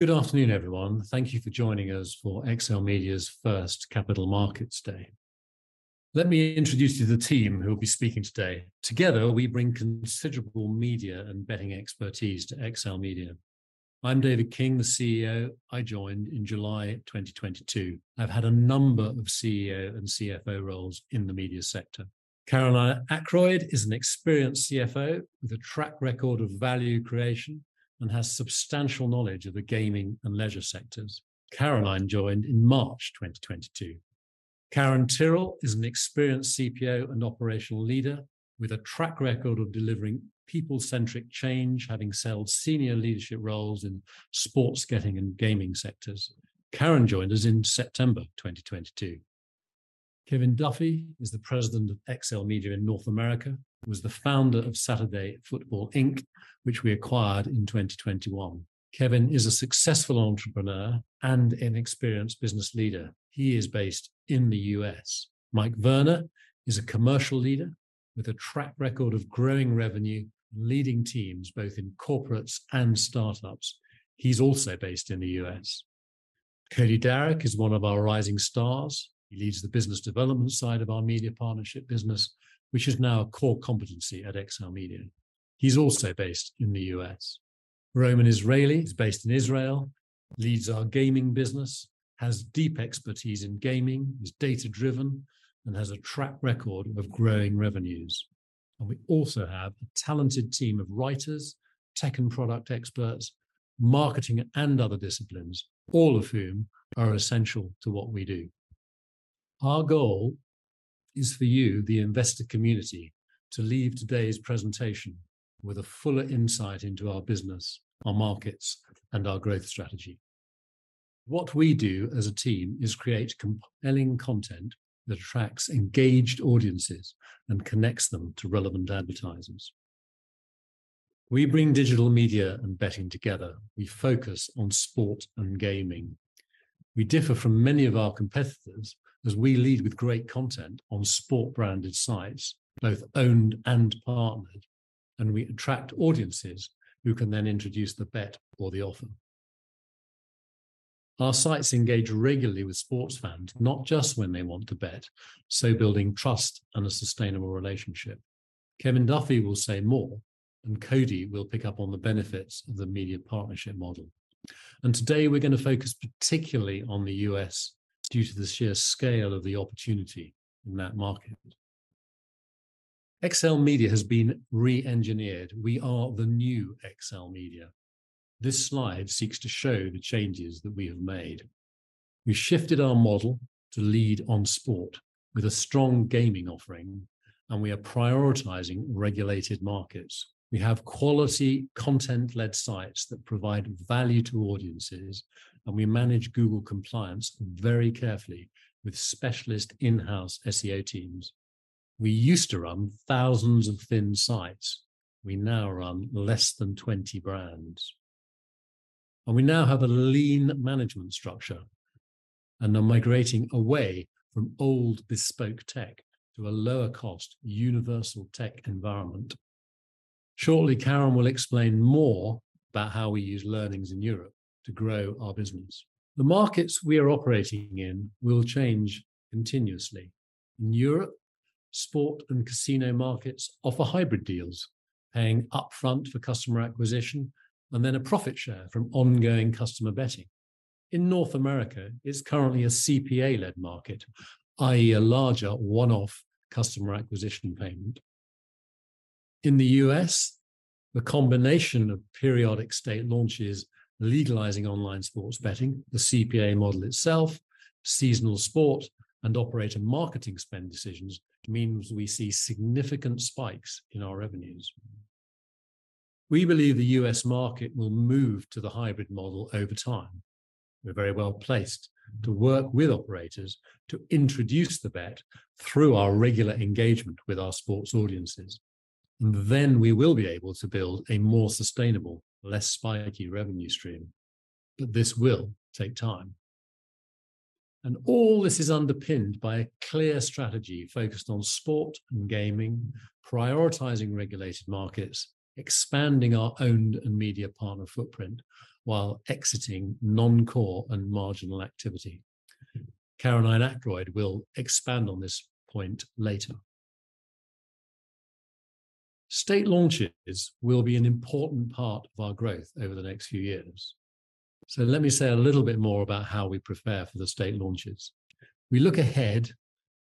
Good afternoon, everyone. Thank you for joining us for XLMedia's first Capital Markets Day. Let me introduce you to the team who will be speaking today. Together, we bring considerable media and betting expertise to XLMedia. I'm David King, the CEO. I joined in July 2022. I've had a number of CEO and CFO roles in the media sector. Caroline Ackroyd is an experienced CFO with a track record of value creation and has substantial knowledge of the gaming and leisure sectors. Caroline joined in March 2022. Karen Tyrrell is an experienced CPO and operational leader with a track record of delivering people-centric change, having held senior leadership roles in sports betting and gaming sectors. Karen joined us in September 2022. Kevin Duffey is the president of XLMedia in North America and was the founder of Saturday Football Inc., which we acquired in 2021. Kevin is a successful entrepreneur and an experienced business leader. He is based in the U.S. Mike Werner is a commercial leader with a track record of growing revenue and leading teams both in corporates and startups. He's also based in the U.S. Cody Darwick is one of our rising stars. He leads the business development side of our media partnership business, which is now a core competency at XLMedia. He's also based in the U.S. Roman Israeli is based in Israel, leads our gaming business, has deep expertise in gaming, is data-driven, and has a track record of growing revenues. We also have a talented team of writers, tech and product experts, marketing and other disciplines, all of whom are essential to what we do. Our goal is for you, the investor community, to leave today's presentation with a fuller insight into our business, our markets, and our growth strategy. What we do as a team is create compelling content that attracts engaged audiences and connects them to relevant advertisers. We bring digital media and betting together. We focus on sport and gaming. We differ from many of our competitors as we lead with great content on sport-branded sites, both owned and partnered, and we attract audiences who can then introduce the bet or the offer. Our sites engage regularly with sports fans, not just when they want to bet, so building trust and a sustainable relationship. Kevin Duffey will say more. Cody will pick up on the benefits of the media partnership model. Today we're gonna focus particularly on the U.S. due to the sheer scale of the opportunity in that market. XLMedia has been re-engineered. We are the new XLMedia. This slide seeks to show the changes that we have made. We shifted our model to lead on sport with a strong gaming offering. We are prioritizing regulated markets. We have quality content-led sites that provide value to audiences. We manage Google compliance very carefully with specialist in-house SEO teams. We used to run thousands of thin sites. We now run less than 20 brands. We now have a lean management structure and are migrating away from old bespoke tech to a lower cost universal tech environment. Shortly, Karen will explain more about how we use learnings in Europe to grow our business. The markets we are operating in will change continuously. In Europe, sport and casino markets offer hybrid deals, paying upfront for customer acquisition and then a profit share from ongoing customer betting. In North America, it's currently a CPA-led market, i.e., a larger one-off customer acquisition payment. In the U.S., the combination of periodic state launches legalizing online sports betting, the CPA model itself, seasonal sport, and operator marketing spend decisions means we see significant spikes in our revenues. We believe the U.S. market will move to the hybrid model over time. We're very well placed to work with operators to introduce the bet through our regular engagement with our sports audiences. We will be able to build a more sustainable, less spiky revenue stream. This will take time. All this is underpinned by a clear strategy focused on sport and gaming, prioritizing regulated markets, expanding our owned and media partner footprint while exiting non-core and marginal activity. Caroline Ackroyd will expand on this point later. State launches will be an important part of our growth over the next few years. Let me say a little bit more about how we prepare for the state launches. We look ahead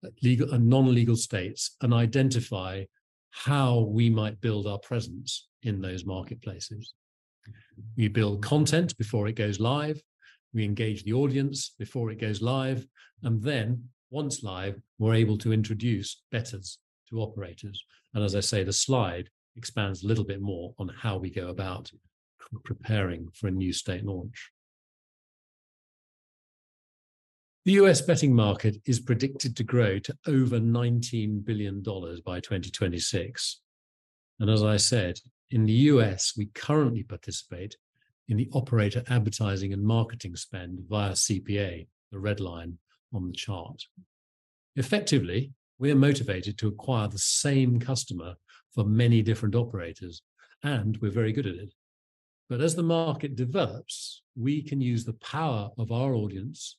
at legal and non-legal states and identify how we might build our presence in those marketplaces. We build content before it goes live. We engage the audience before it goes live. Then once live, we're able to introduce bettors to operators. As I say, the slide expands a little bit more on how we go about preparing for a new state launch. The U.S. betting market is predicted to grow to over $19 billion by 2026. As I said, in the U.S., we currently participate in the operator advertising and marketing spend via CPA, the red line on the chart. Effectively, we are motivated to acquire the same customer for many different operators, and we're very good at it. As the market develops, we can use the power of our audience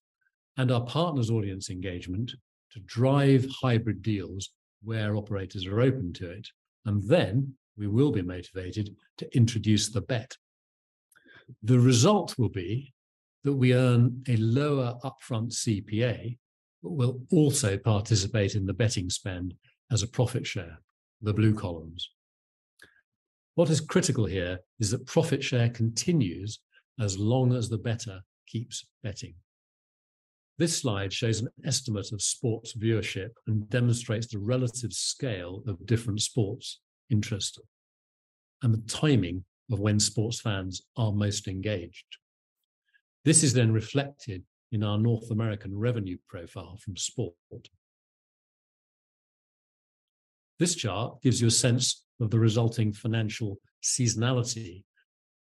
and our partners' audience engagement to drive hybrid deals where operators are open to it, and then we will be motivated to introduce the bet. The result will be that we earn a lower upfront CPA, but we'll also participate in the betting spend as a profit share, the blue columns. What is critical here is that profit share continues as long as the bettor keeps betting. This slide shows an estimate of sports viewership and demonstrates the relative scale of different sports interest and the timing of when sports fans are most engaged. This is then reflected in our North American revenue profile from sport. This chart gives you a sense of the resulting financial seasonality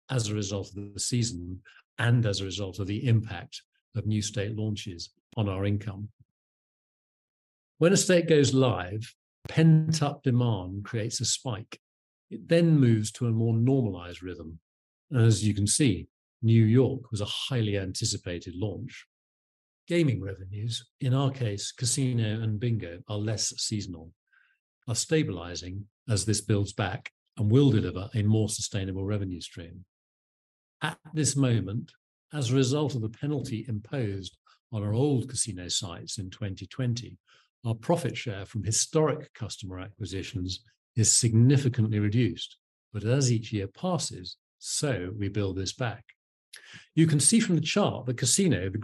as a result of the season and as a result of the impact of new state launches on our income. When a state goes live, pent-up demand creates a spike. It then moves to a more normalized rhythm. As you can see, New York was a highly anticipated launch. Gaming revenues, in our case, casino and bingo, are less seasonal, are stabilizing as this builds back and will deliver a more sustainable revenue stream. At this moment, as a result of the penalty imposed on our old casino sites in 2020, our profit share from historic customer acquisitions is significantly reduced. As each year passes, so we build this back. You can see from the chart the casino, the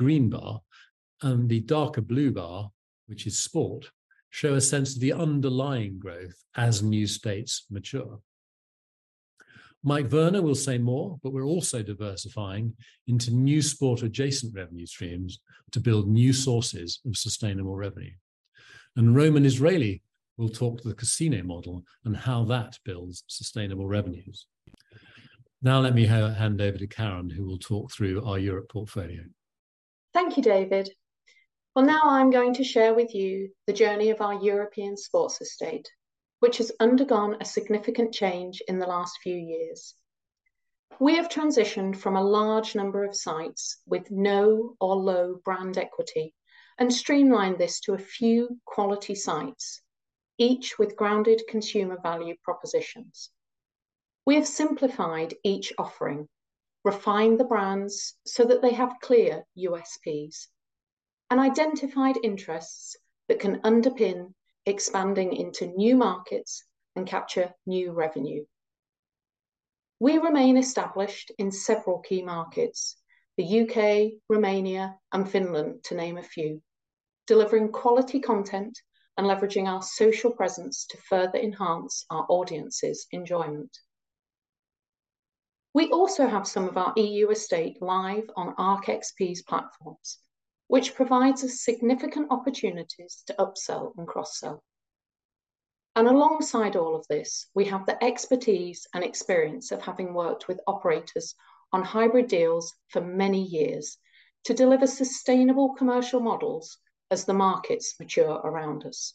green bar, and the darker blue bar, which is sport, show a sense of the underlying growth as new states mature. Mike Werner will say more, but we're also diversifying into new sport adjacent revenue streams to build new sources of sustainable revenue. Roman Israeli will talk to the casino model and how that builds sustainable revenues. Let me hand over to Karen, who will talk through our Europe portfolio. Thank you, David. Well, now I'm going to share with you the journey of our European sports estate, which has undergone a significant change in the last few years. We have transitioned from a large number of sites with no or low brand equity and streamlined this to a few quality sites, each with grounded consumer value propositions. We have simplified each offering, refined the brands so that they have clear USPs, and identified interests that can underpin expanding into new markets and capture new revenue. We remain established in several key markets, the UK, Romania, and Finland, to name a few, delivering quality content and leveraging our social presence to further enhance our audience's enjoyment. We also have some of our EU estate live on Arc XP's platforms, which provides us significant opportunities to upsell and cross-sell. Alongside all of this, we have the expertise and experience of having worked with operators on hybrid deals for many years to deliver sustainable commercial models as the markets mature around us.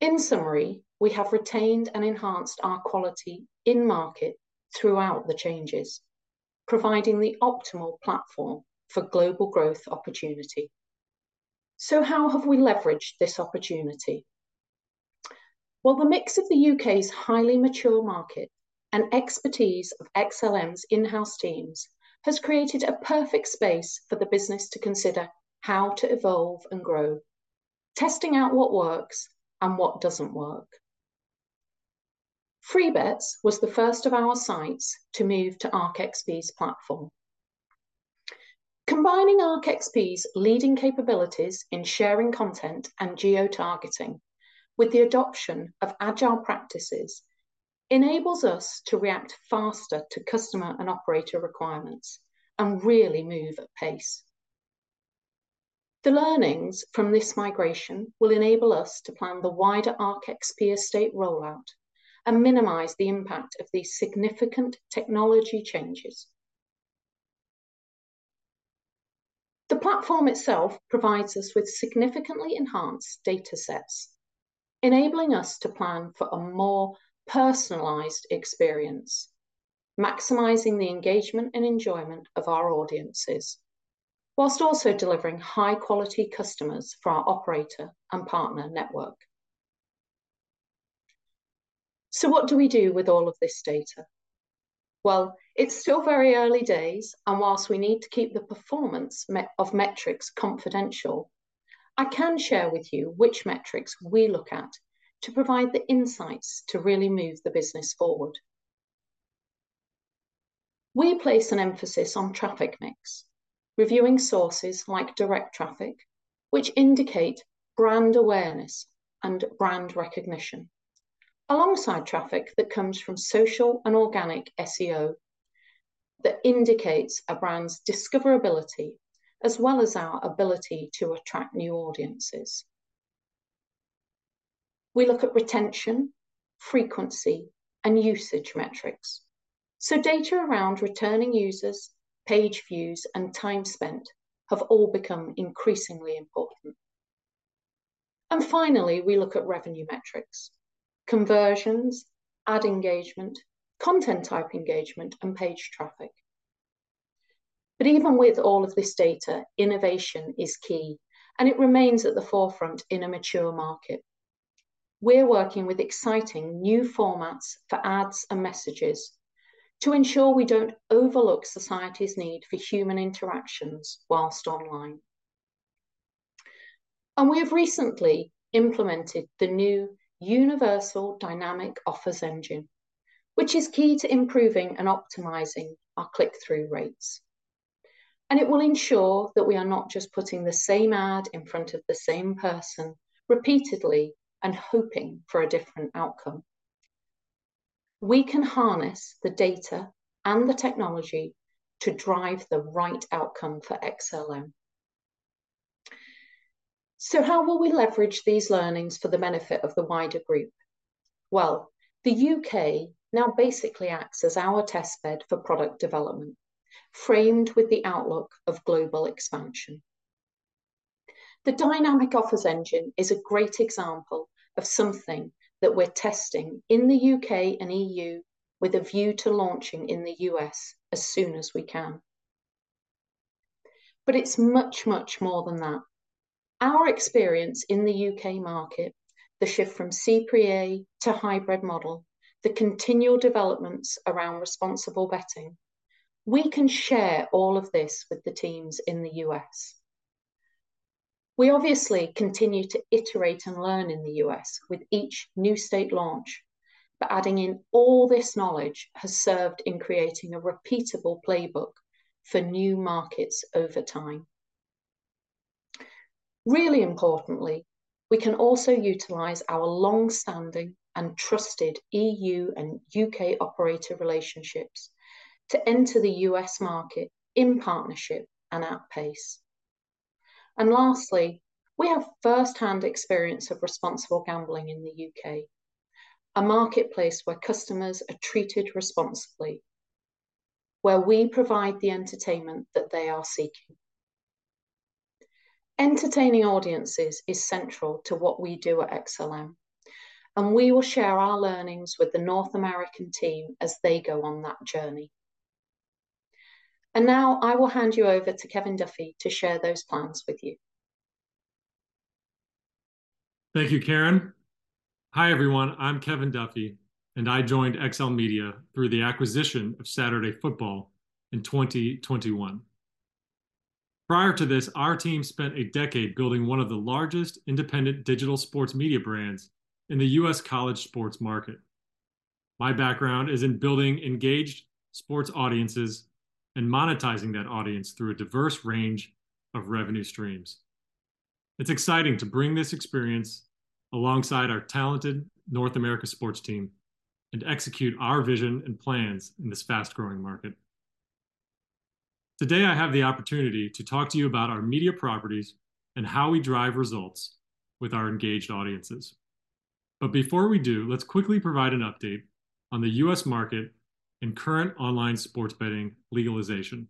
In summary, we have retained and enhanced our quality in-market throughout the changes, providing the optimal platform for global growth opportunity. How have we leveraged this opportunity? Well, the mix of the U.K.'s highly mature market and expertise of XLM's in-house teams has created a perfect space for the business to consider how to evolve and grow, testing out what works and what doesn't work. Freebets was the first of our sites to move to Arc XP's platform. Combining Arc XP's leading capabilities in sharing content and geotargeting with the adoption of agile practices enables us to react faster to customer and operator requirements and really move at pace. The learnings from this migration will enable us to plan the wider Arc XP estate rollout and minimize the impact of these significant technology changes. The platform itself provides us with significantly enhanced data sets, enabling us to plan for a more personalized experience, maximizing the engagement and enjoyment of our audiences, whilst also delivering high-quality customers for our operator and partner network. What do we do with all of this data? Well, it's still very early days, and whilst we need to keep the performance metrics confidential, I can share with you which metrics we look at to provide the insights to really move the business forward. We place an emphasis on traffic mix, reviewing sources like direct traffic, which indicate brand awareness and brand recognition, alongside traffic that comes from social and organic SEO that indicates a brand's discoverability as well as our ability to attract new audiences. We look at retention, frequency, and usage metrics. Data around returning users, page views, and time spent have all become increasingly important. Finally, we look at revenue metrics, conversions, ad engagement, content type engagement, and page traffic. Even with all of this data, innovation is key, and it remains at the forefront in a mature market. We're working with exciting new formats for ads and messages to ensure we don't overlook society's need for human interactions whilst online. We have recently implemented the new Universal Dynamic Offers Engine, which is key to improving and optimizing our click-through rates, and it will ensure that we are not just putting the same ad in front of the same person repeatedly and hoping for a different outcome. We can harness the data and the technology to drive the right outcome for XLM. How will we leverage these learnings for the benefit of the wider group? The U.K. now basically acts as our test bed for product development, framed with the outlook of global expansion. The Dynamic Offers Engine is a great example of something that we're testing in the U.K. and E.U. with a view to launching in the U.S. as soon as we can. It's much more than that. Our experience in the U.K. market, the shift from CPA to hybrid model, the continual developments around responsible betting, we can share all of this with the teams in the U.S. We obviously continue to iterate and learn in the U.S. with each new state launch. Adding in all this knowledge has served in creating a repeatable playbook for new markets over time. Really importantly, we can also utilize our long-standing and trusted EU and U.K. operator relationships to enter the U.S. market in partnership and at pace. Lastly, we have first-hand experience of responsible gambling in the U.K., a marketplace where customers are treated responsibly, where we provide the entertainment that they are seeking. Entertaining audiences is central to what we do at XLM, and we will share our learnings with the North American team as they go on that journey. Now I will hand you over to Kevin Duffey to share those plans with you. Thank you, Karen. Hi, everyone. I'm Kevin Duffey. I joined XLMedia through the acquisition of Saturday Football in 2021. Prior to this, our team spent a decade building one of the largest independent digital sports media brands in the U.S. college sports market. My background is in building engaged sports audiences and monetizing that audience through a diverse range of revenue streams. It's exciting to bring this experience alongside our talented North America sports team and execute our vision and plans in this fast-growing market. Today, I have the opportunity to talk to you about our media properties and how we drive results with our engaged audiences. Before we do, let's quickly provide an update on the U.S. market and current online sports betting legalization.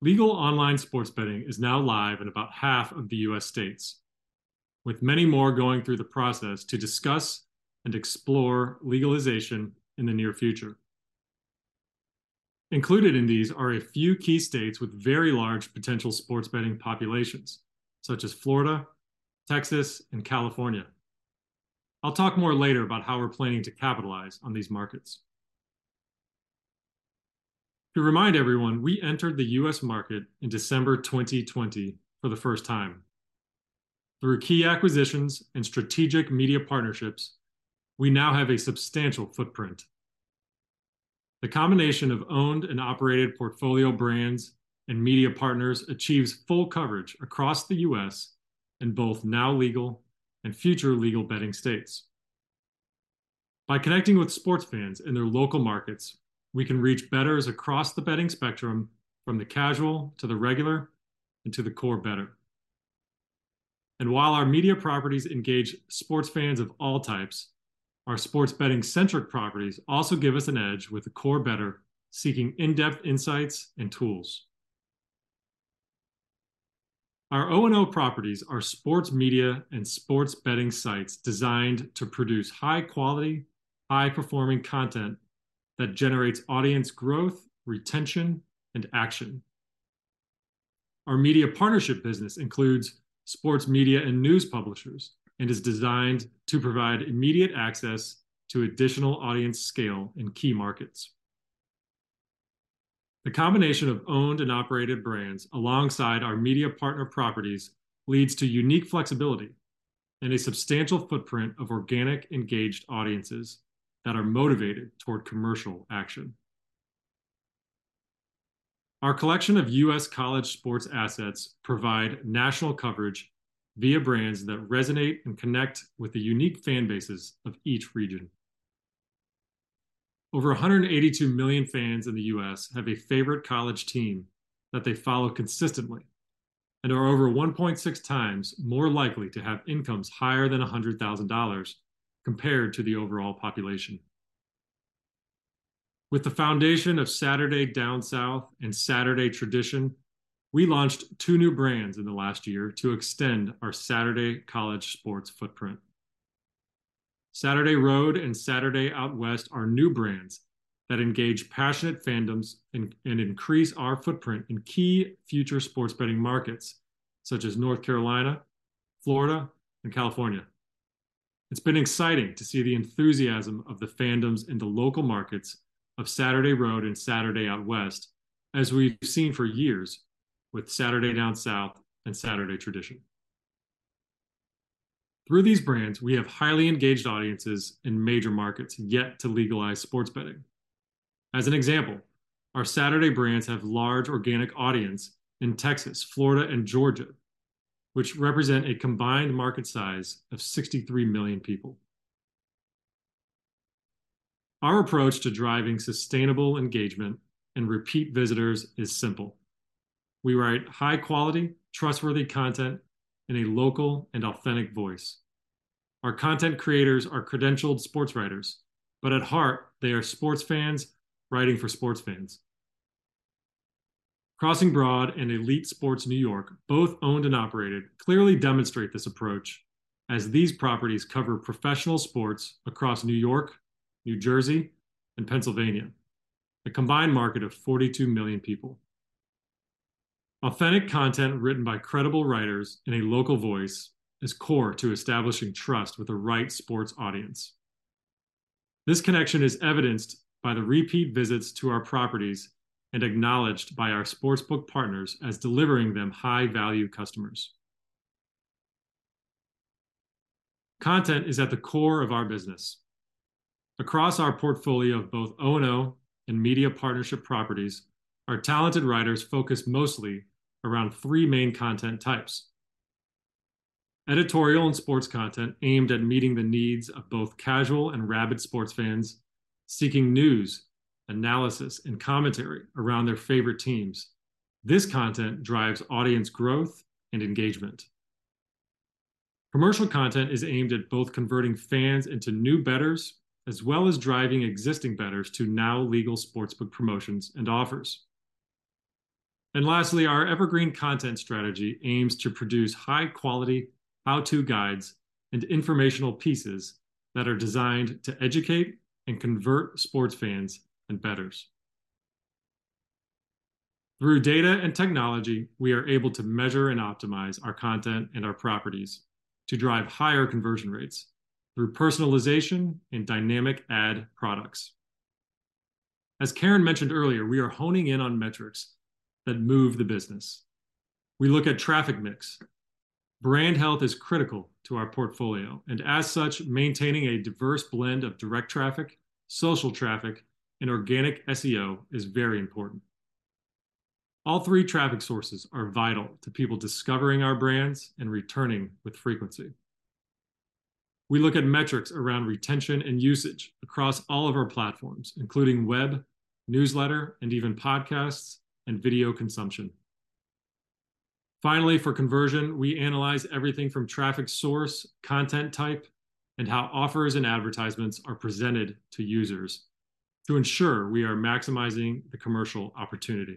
Legal online sports betting is now live in about half of the U.S. states, with many more going through the process to discuss and explore legalization in the near future. Included in these are a few key states with very large potential sports betting populations, such as Florida, Texas, and California. I'll talk more later about how we're planning to capitalize on these markets. To remind everyone, we entered the U.S. market in December 2020 for the first time. Through key acquisitions and strategic media partnerships, we now have a substantial footprint. The combination of owned and operated portfolio brands and media partners achieves full coverage across the U.S. in both now legal and future legal betting states. By connecting with sports fans in their local markets, we can reach betters across the betting spectrum from the casual to the regular and to the core better. While our media properties engage sports fans of all types, our sports betting-centric properties also give us an edge with the core better seeking in-depth insights and tools. Our O&O properties are sports media and sports betting sites designed to produce high-quality, high-performing content that generates audience growth, retention, and action. Our media partnership business includes sports media and news publishers and is designed to provide immediate access to additional audience scale in key markets. The combination of owned and operated brands alongside our media partner properties leads to unique flexibility and a substantial footprint of organic, engaged audiences that are motivated toward commercial action. Our collection of U.S. college sports assets provide national coverage via brands that resonate and connect with the unique fan bases of each region. Over 182 million fans in the U.S. have a favorite college team that they follow consistently and are over 1.6 times more likely to have incomes higher than $100,000 compared to the overall population. With the foundation of Saturday Down South and Saturday Tradition, we launched two new brands in the last year to extend our Saturday college sports footprint. Saturday Road and Saturday Out West are new brands that engage passionate fandoms and increase our footprint in key future sports betting markets such as North Carolina, Florida, and California. It's been exciting to see the enthusiasm of the fandoms in the local markets of Saturday Road and Saturday Out West as we've seen for years with Saturday Down South and Saturday Tradition. Through these brands, we have highly engaged audiences in major markets yet to legalize sports betting. As an example, our Saturday brands have large organic audience in Texas, Florida, and Georgia, which represent a combined market size of 63 million people. Our approach to driving sustainable engagement and repeat visitors is simple. We write high-quality, trustworthy content in a local and authentic voice. Our content creators are credentialed sports writers, but at heart, they are sports fans writing for sports fans. Crossing Broad and Elite Sports New York, both owned and operated, clearly demonstrate this approach as these properties cover professional sports across New York, New Jersey, and Pennsylvania, a combined market of 42 million people. Authentic content written by credible writers in a local voice is core to establishing trust with the right sports audience. This connection is evidenced by the repeat visits to our properties and acknowledged by our sportsbook partners as delivering them high-value customers. Content is at the core of our business. Across our portfolio of both O&O and media partnership properties, our talented writers focus mostly around three main content types. Editorial and sports content aimed at meeting the needs of both casual and rabid sports fans seeking news, analysis, and commentary around their favorite teams. This content drives audience growth and engagement. Commercial content is aimed at both converting fans into new bettors as well as driving existing bettors to now legal sportsbook promotions and offers. Lastly, our evergreen content strategy aims to produce high-quality how-to guides and informational pieces that are designed to educate and convert sports fans and bettors. Through data and technology, we are able to measure and optimize our content and our properties to drive higher conversion rates through personalization and dynamic ad products. As Karen mentioned earlier, we are honing in on metrics that move the business. We look at traffic mix. Brand health is critical to our portfolio, and as such, maintaining a diverse blend of direct traffic, social traffic, and organic SEO is very important. All three traffic sources are vital to people discovering our brands and returning with frequency. We look at metrics around retention and usage across all of our platforms, including web, newsletter, and even podcasts and video consumption. Finally, for conversion, we analyze everything from traffic source, content type, and how offers and advertisements are presented to users to ensure we are maximizing the commercial opportunity.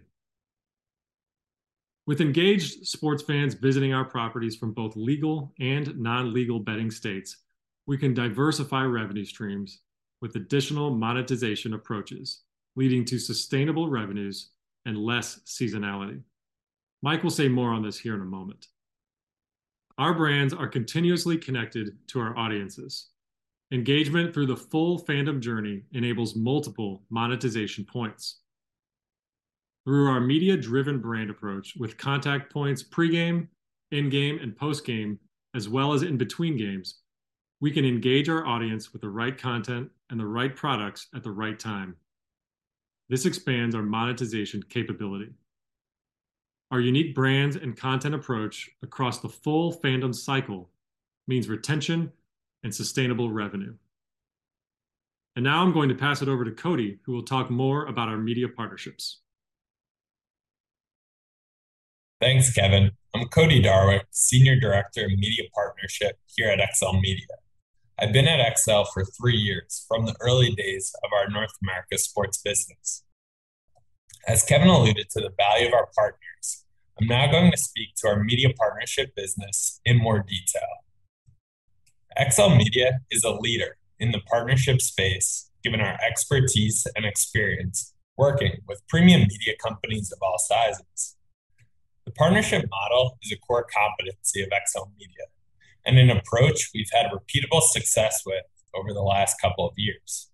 With engaged sports fans visiting our properties from both legal and non-legal betting states, we can diversify revenue streams with additional monetization approaches, leading to sustainable revenues and less seasonality. Mike will say more on this here in a moment. Our brands are continuously connected to our audiences. Engagement through the full fandom journey enables multiple monetization points. Through our media-driven brand approach with contact points pre-game, in-game, and post-game, as well as in between games, we can engage our audience with the right content and the right products at the right time. This expands our monetization capability. Our unique brands and content approach across the full fandom cycle means retention and sustainable revenue. Now I'm going to pass it over to Cody, who will talk more about our media partnerships. Thanks, Kevin. I'm Cody Darwick, Senior Director of Media Partnership here at XLMedia. I've been at XL for 3 years, from the early days of our North America sports business. As Kevin alluded to the value of our partners, I'm now going to speak to our media partnership business in more detail. XLMedia is a leader in the partnership space, given our expertise and experience working with premium media companies of all sizes. The partnership model is a core competency of XLMedia and an approach we've had repeatable success with over the last couple of years.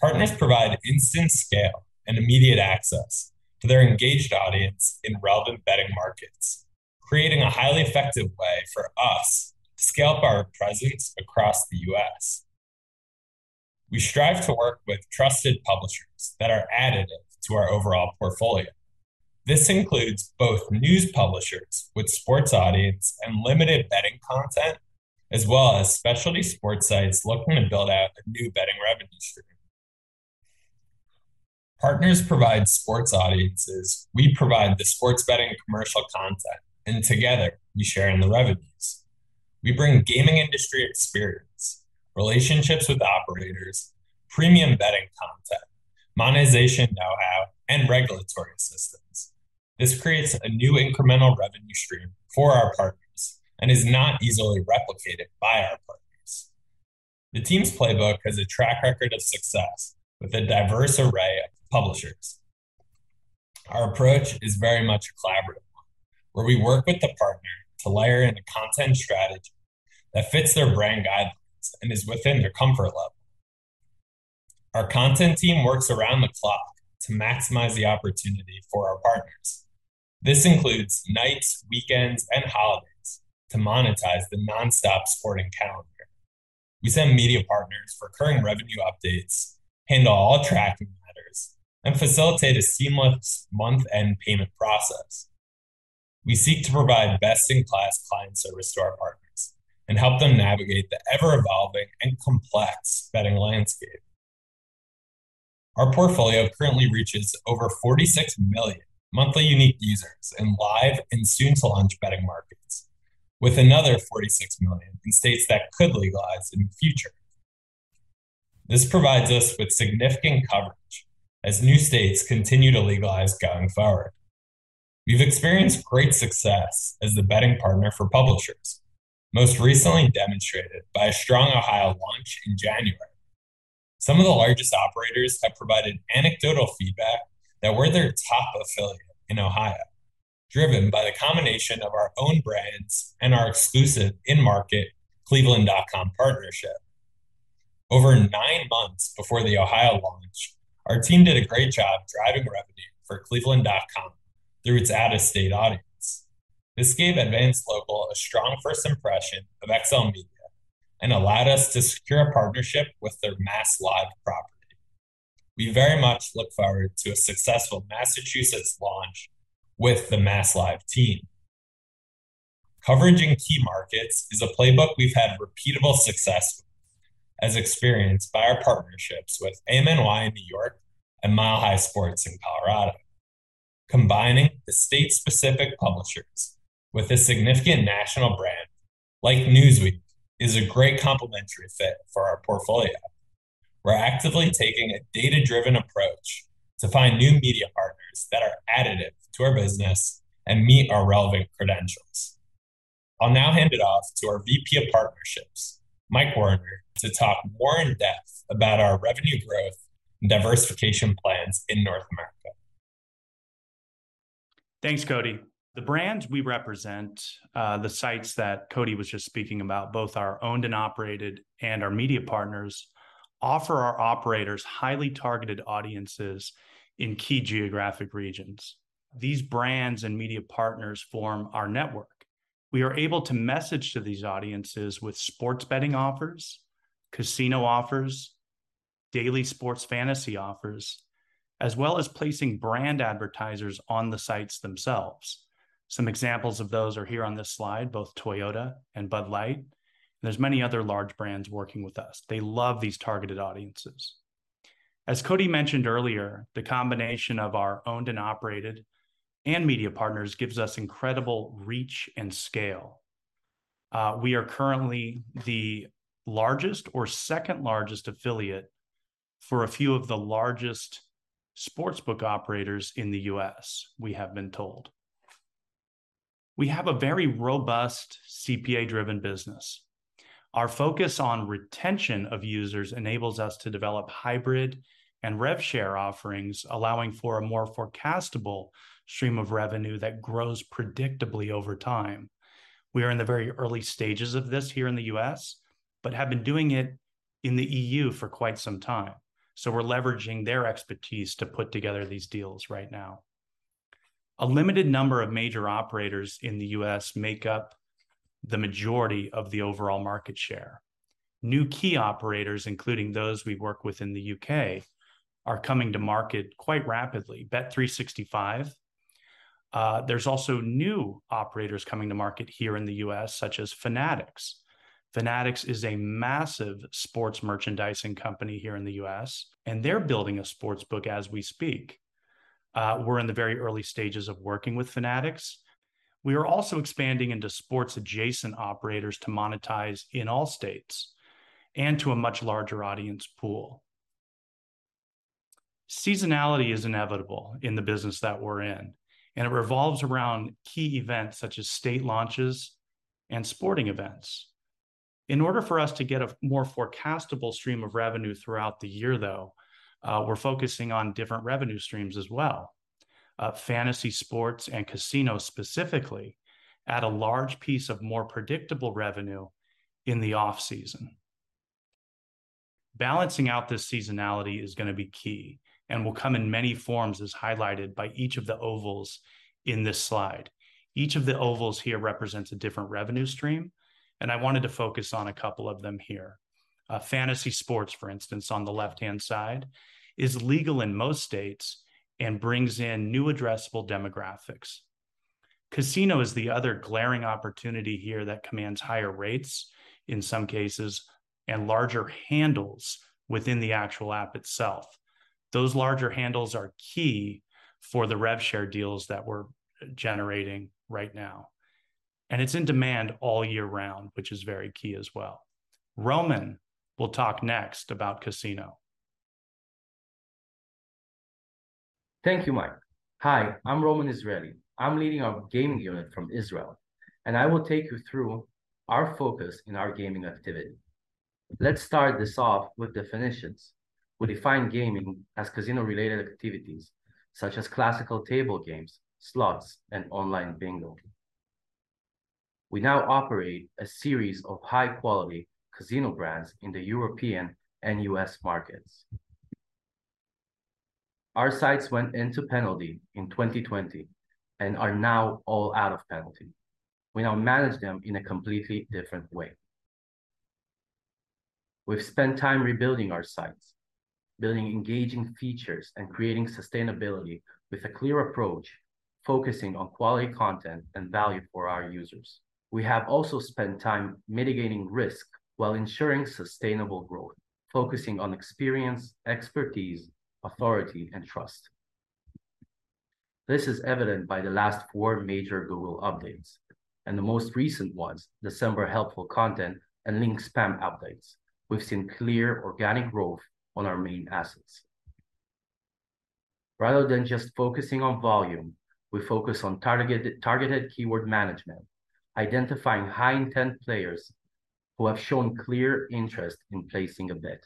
Partners provide instant scale and immediate access to their engaged audience in relevant betting markets, creating a highly effective way for us to scale up our presence across the U.S. We strive to work with trusted publishers that are additive to our overall portfolio. This includes both news publishers with sports audience and limited betting content, as well as specialty sports sites looking to build out a new betting revenue stream. Partners provide sports audiences. We provide the sports betting commercial content, and together we share in the revenues. We bring gaming industry experience, relationships with operators, premium betting content, monetization know-how, and regulatory assistance. This creates a new incremental revenue stream for our partners and is not easily replicated by our partners. The team's playbook has a track record of success with a diverse array of publishers. Our approach is very much a collaborative one, where we work with the partner to layer in a content strategy that fits their brand guidelines and is within their comfort level. Our content team works around the clock to maximize the opportunity for our partners. This includes nights, weekends, and holidays to monetize the non-stop sporting calendar. We send media partners recurring revenue updates, handle all tracking matters, and facilitate a seamless month-end payment process. We seek to provide best-in-class client service to our partners and help them navigate the ever-evolving and complex betting landscape. Our portfolio currently reaches over 46 million monthly unique users in live and soon-to-launch betting markets, with another 46 million in states that could legalize in the future. This provides us with significant coverage as new states continue to legalize going forward. We've experienced great success as the betting partner for publishers, most recently demonstrated by a strong Ohio launch in January. Some of the largest operators have provided anecdotal feedback that we're their top affiliate in Ohio, driven by the combination of our own brands and our exclusive in-market cleveland.com partnership. Over nine months before the Ohio launch, our team did a great job driving revenue for cleveland.com through its out-of-state audience. This gave Advance Local a strong first impression of XLMedia and allowed us to secure a partnership with their MassLive property. We very much look forward to a successful Massachusetts launch with the MassLive team. Coverage in key markets is a playbook we've had repeatable success with, as experienced by our partnerships with amNewYork in New York and Mile High Sports in Colorado. Combining the state-specific publishers with a significant national brand like Newsweek is a great complementary fit for our portfolio. We're actively taking a data-driven approach to find new media partners that are additive to our business and meet our relevant credentials. I'll now hand it off to our VP of Partnerships, Mike Werner, to talk more in depth about our revenue growth and diversification plans in North America. Thanks, Cody. The brands we represent, the sites that Cody was just speaking about, both our owned and operated and our media partners offer our operators highly targeted audiences in key geographic regions. These brands and media partners form our network. We are able to message to these audiences with sports betting offers, casino offers, daily sports fantasy offers, as well as placing brand advertisers on the sites themselves. Some examples of those are here on this slide, both Toyota and Bud Light. There's many other large brands working with us. They love these targeted audiences. As Cody mentioned earlier, the combination of our owned and operated and media partners gives us incredible reach and scale. We are currently the largest or second-largest affiliate for a few of the largest sportsbook operators in the US, we have been told. We have a very robust CPA-driven business. Our focus on retention of users enables us to develop hybrid and rev share offerings, allowing for a more forecastable stream of revenue that grows predictably over time. We are in the very early stages of this here in the US, but have been doing it in the EU for quite some time. We're leveraging their expertise to put together these deals right now. A limited number of major operators in the US make up the majority of the overall market share. New key operators, including those we work with in the UK, are coming to market quite rapidly. Bet365. There's also new operators coming to market here in the US, such as Fanatics. Fanatics is a massive sports merchandising company here in the US, and they're building a sportsbook as we speak. We're in the very early stages of working with Fanatics. We are also expanding into sports-adjacent operators to monetize in all states and to a much larger audience pool. Seasonality is inevitable in the business that we're in, and it revolves around key events such as state launches and sporting events. In order for us to get a more forecastable stream of revenue throughout the year, though, we're focusing on different revenue streams as well. Fantasy sports and casino specifically add a large piece of more predictable revenue in the off-season. Balancing out this seasonality is gonna be key and will come in many forms, as highlighted by each of the ovals in this slide. Each of the ovals here represents a different revenue stream, and I wanted to focus on a couple of them here. Fantasy sports, for instance, on the left-hand side, is legal in most states and brings in new addressable demographics. Casino is the other glaring opportunity here that commands higher rates in some cases, and larger handles within the actual app itself. Those larger handles are key for the rev share deals that we're generating right now, and it's in demand all year round, which is very key as well. Roman will talk next about casino. Thank you, Mike. Hi, I'm Roman Israeli. I'm leading our gaming unit from Israel, and I will take you through our focus in our gaming activity. Let's start this off with definitions. We define gaming as casino-related activities, such as classical table games, slots, and online bingo. We now operate a series of high-quality casino brands in the European and U.S. markets. Our sites went into penalty in 2020 and are now all out of penalty. We now manage them in a completely different way. We've spent time rebuilding our sites, building engaging features, and creating sustainability with a clear approach focusing on quality content and value for our users. We have also spent time mitigating risk while ensuring sustainable growth, focusing on experience, expertise, authority, and trust. This is evident by the last four major Google updates. The most recent ones, December helpful content and link spam updates. We've seen clear organic growth on our main assets. Rather than just focusing on volume, we focus on targeted keyword management, identifying high-intent players who have shown clear interest in placing a bet.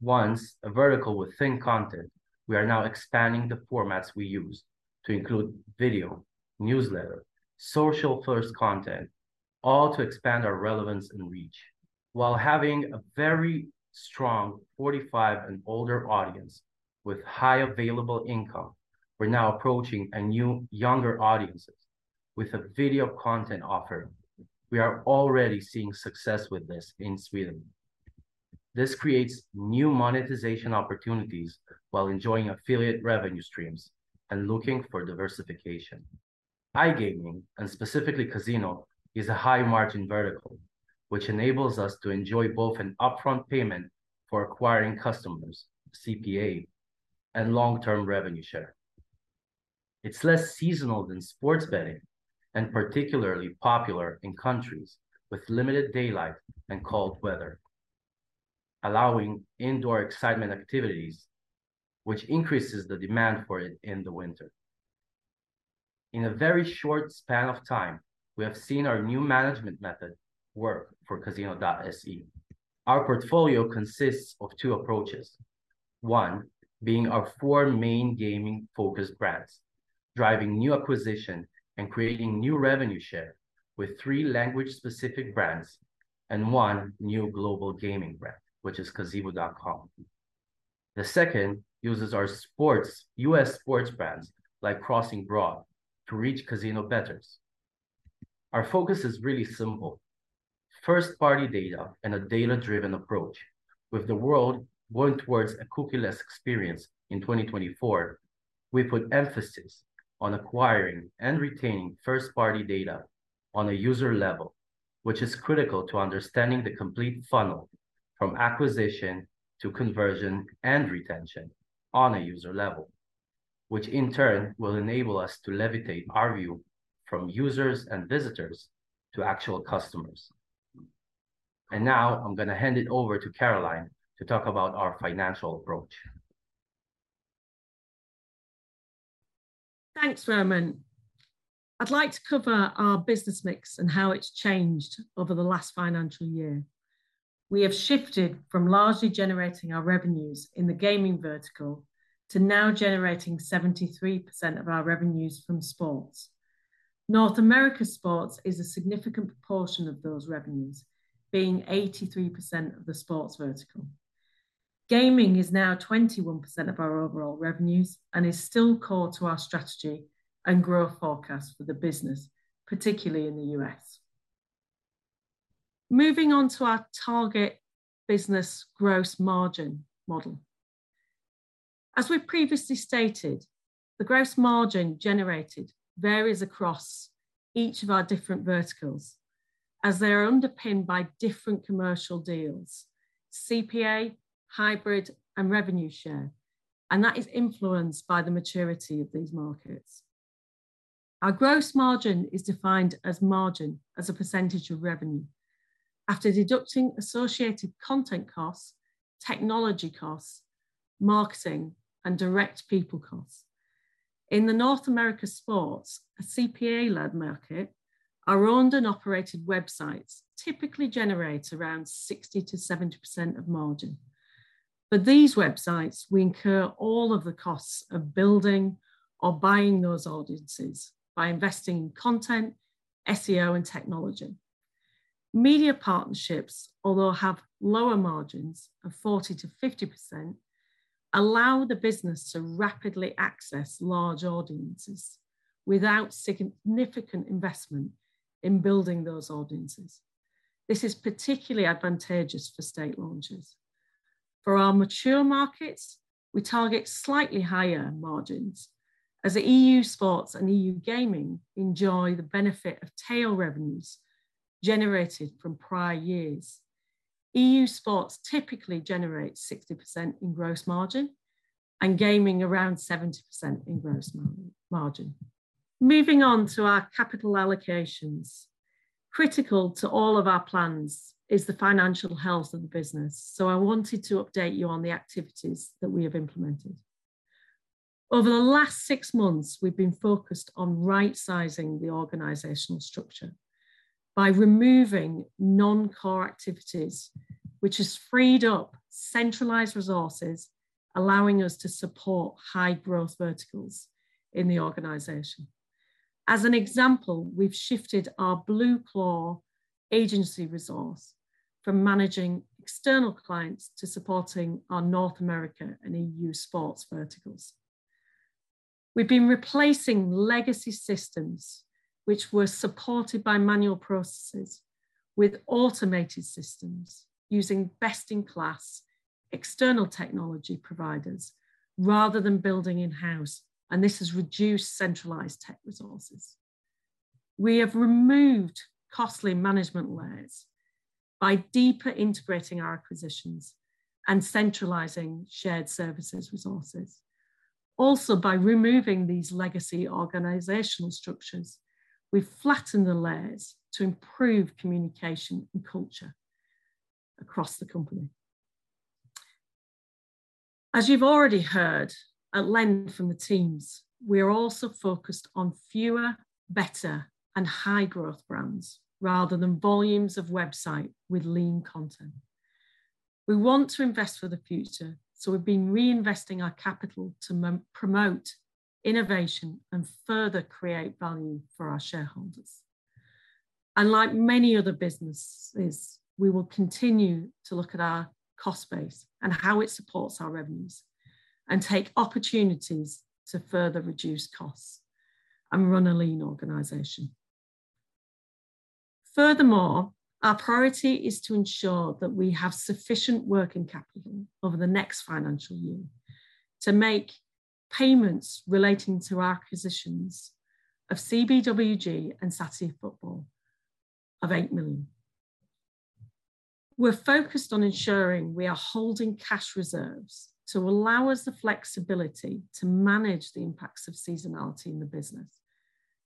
Once a vertical with thin content, we are now expanding the formats we use to include video, newsletter, social-first content, all to expand our relevance and reach. While having a very strong 45 and older audience with high available income, we're now approaching a new younger audiences with a video content offering. We are already seeing success with this in Sweden. This creates new monetization opportunities while enjoying affiliate revenue streams and looking for diversification. iGaming, specifically casino, is a high-margin vertical, which enables us to enjoy both an upfront payment for acquiring customers, CPA, and long-term revenue share. It's less seasonal than sports betting and particularly popular in countries with limited daylight and cold weather, allowing indoor excitement activities, which increases the demand for it in the winter. In a very short span of time, we have seen our new management method work for casino.se. Our portfolio consists of two approaches. One being our four main gaming-focused brands, driving new acquisition and creating new revenue share with three language-specific brands and one new global gaming brand, which is Caziwoo.com. The second uses our sports, U.S. sports brands like Crossing Broad to reach casino bettors. Our focus is really simple. First-party data and a data-driven approach. With the world going towards a cookie-less experience in 2024, we put emphasis on acquiring and retaining first-party data on a user level, which is critical to understanding the complete funnel from acquisition to conversion and retention on a user level, which in turn will enable us to elevate our view from users and visitors to actual customers. Now I'm gonna hand it over to Caroline to talk about our financial approach. Thanks, Roman. I'd like to cover our business mix and how it's changed over the last financial year. We have shifted from largely generating our revenues in the gaming vertical to now generating 73% of our revenues from sports. North America sports is a significant proportion of those revenues, being 83% of the sports vertical. Gaming is now 21% of our overall revenues and is still core to our strategy and growth forecast for the business, particularly in the U.S. Moving on to our target business gross margin model. As we've previously stated, the gross margin generated varies across each of our different verticals, as they are underpinned by different commercial deals, CPA, hybrid, and revenue share, and that is influenced by the maturity of these markets. Our gross margin is defined as margin as a percentage of revenue after deducting associated content costs, technology costs, marketing, and direct people costs. In the North America Sports, a CPA-led market, our owned and operated websites typically generate around 60%-70% of margin. For these websites, we incur all of the costs of building or buying those audiences by investing in content, SEO, and technology. Media partnerships, although have lower margins of 40%-50%, allow the business to rapidly access large audiences without significant investment in building those audiences. This is particularly advantageous for state launches. For our mature markets, we target slightly higher margins as the EU Sports and EU Gaming enjoy the benefit of tail revenues generated from prior years. EU Sports typically generates 60% in gross margin and gaming around 70% in gross margin. Moving on to our capital allocations. Critical to all of our plans is the financial health of the business. I wanted to update you on the activities that we have implemented. Over the last six months, we've been focused on right-sizing the organizational structure by removing non-core activities, which has freed up centralized resources, allowing us to support high growth verticals in the organization. As an example, we've shifted our Blueclaw agency resource from managing external clients to supporting our North America and EU Sports verticals. We've been replacing legacy systems which were supported by manual processes with automated systems using best in class external technology providers rather than building in-house. This has reduced centralized tech resources. We have removed costly management layers by deeper integrating our acquisitions and centralizing shared services resources. By removing these legacy organizational structures, we flatten the layers to improve communication and culture across the company. As you've already heard at length from the teams, we are also focused on fewer, better, and high growth brands rather than volumes of website with lean content. We want to invest for the future, so we've been reinvesting our capital to promote innovation and further create value for our shareholders. Like many other businesses, we will continue to look at our cost base and how it supports our revenues and take opportunities to further reduce costs and run a lean organization. Furthermore, our priority is to ensure that we have sufficient working capital over the next financial year to make payments relating to acquisitions of CBWG and Saturday Football of $8 million. We're focused on ensuring we are holding cash reserves to allow us the flexibility to manage the impacts of seasonality in the business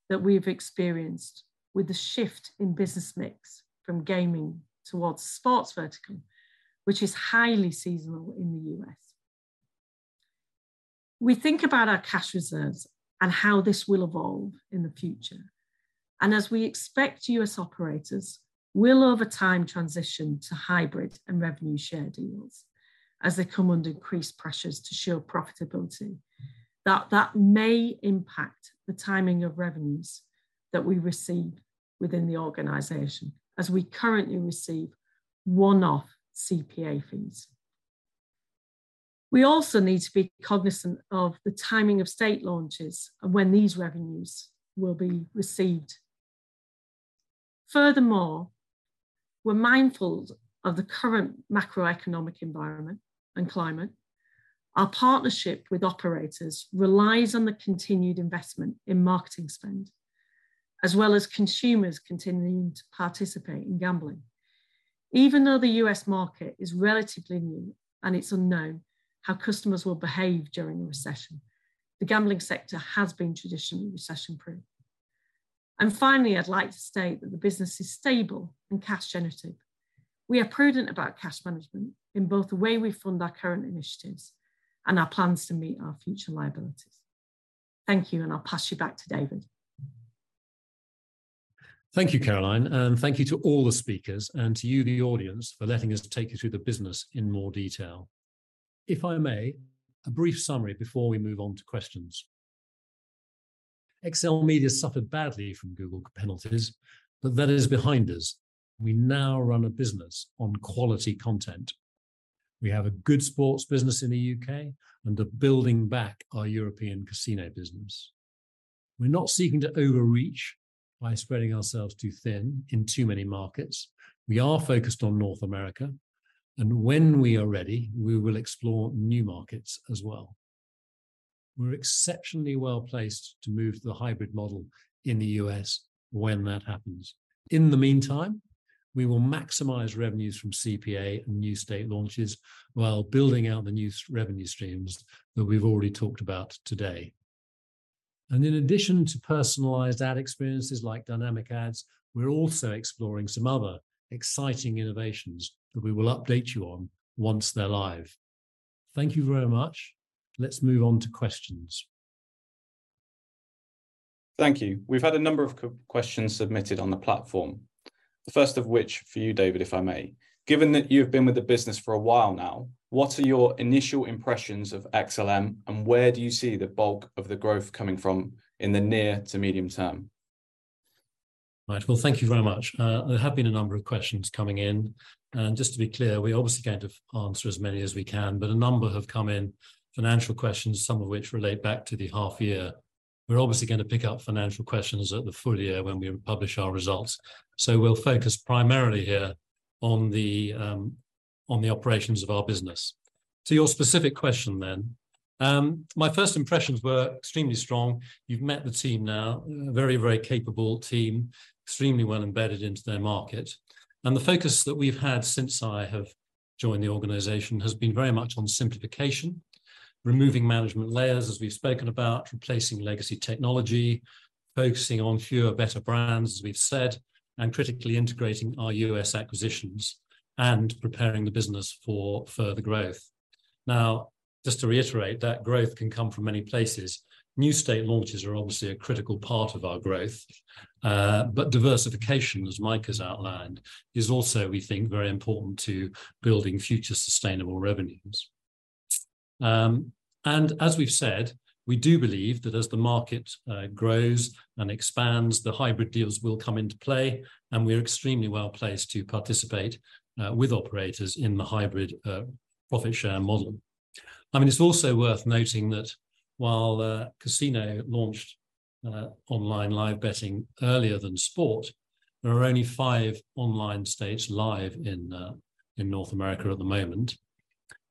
that we've experienced with the shift in business mix from gaming towards sports vertical, which is highly seasonal in the U.S. We think about our cash reserves and how this will evolve in the future. As we expect U.S. operators will over time transition to hybrid and revenue share deals as they come under increased pressures to show profitability, that may impact the timing of revenues that we receive within the organization as we currently receive one-off CPA fees. We also need to be cognizant of the timing of state launches and when these revenues will be received. We're mindful of the current macroeconomic environment and climate. Our partnership with operators relies on the continued investment in marketing spend, as well as consumers continuing to participate in gambling. Even though the U.S. market is relatively new and it's unknown how customers will behave during a recession, the gambling sector has been traditionally recession-proof. Finally, I'd like to state that the business is stable and cash generative. We are prudent about cash management in both the way we fund our current initiatives and our plans to meet our future liabilities. Thank you, and I'll pass you back to David. Thank you, Caroline. Thank you to all the speakers and to you the audience for letting us take you through the business in more detail. If I may, a brief summary before we move on to questions. XLMedia suffered badly from Google penalties. That is behind us. We now run a business on quality content. We have a good sports business in the U.K. and are building back our European casino business. We're not seeking to overreach by spreading ourselves too thin in too many markets. We are focused on North America, and when we are ready, we will explore new markets as well. We're exceptionally well-placed to move to the hybrid model in the U.S. when that happens. In the meantime, we will maximize revenues from CPA and new state launches while building out the new revenue streams that we've already talked about today. In addition to personalized ad experiences like Dynamic Ads, we're also exploring some other exciting innovations that we will update you on once they're live. Thank you very much. Let's move on to questions. Thank you. We've had a number of questions submitted on the platform. The first of which for you, David, if I may. Given that you've been with the business for a while now, what are your initial impressions of XLM, and where do you see the bulk of the growth coming from in the near to medium term? Right. Well, thank you very much. There have been a number of questions coming in. Just to be clear, we're obviously going to answer as many as we can, but a number have come in, financial questions, some of which relate back to the half year. We're obviously gonna pick up financial questions at the full year when we publish our results. We'll focus primarily here on the operations of our business. To your specific question then, my first impressions were extremely strong. You've met the team now. Very capable team. Extremely well embedded into their market. The focus that we've had since I have joined the organization has been very much on simplification, removing management layers, as we've spoken about, replacing legacy technology, focusing on fewer better brands, as we've said, and critically integrating our US acquisitions and preparing the business for further growth. Just to reiterate, that growth can come from many places. New state launches are obviously a critical part of our growth. Diversification, as Mike has outlined, is also, we think, very important to building future sustainable revenues. As we've said, we do believe that as the market grows and expands, the hybrid deals will come into play, and we're extremely well-placed to participate with operators in the hybrid profit share model. I mean, it's also worth noting that while the casino launched online live betting earlier than sport, there are only five online states live in North America at the moment.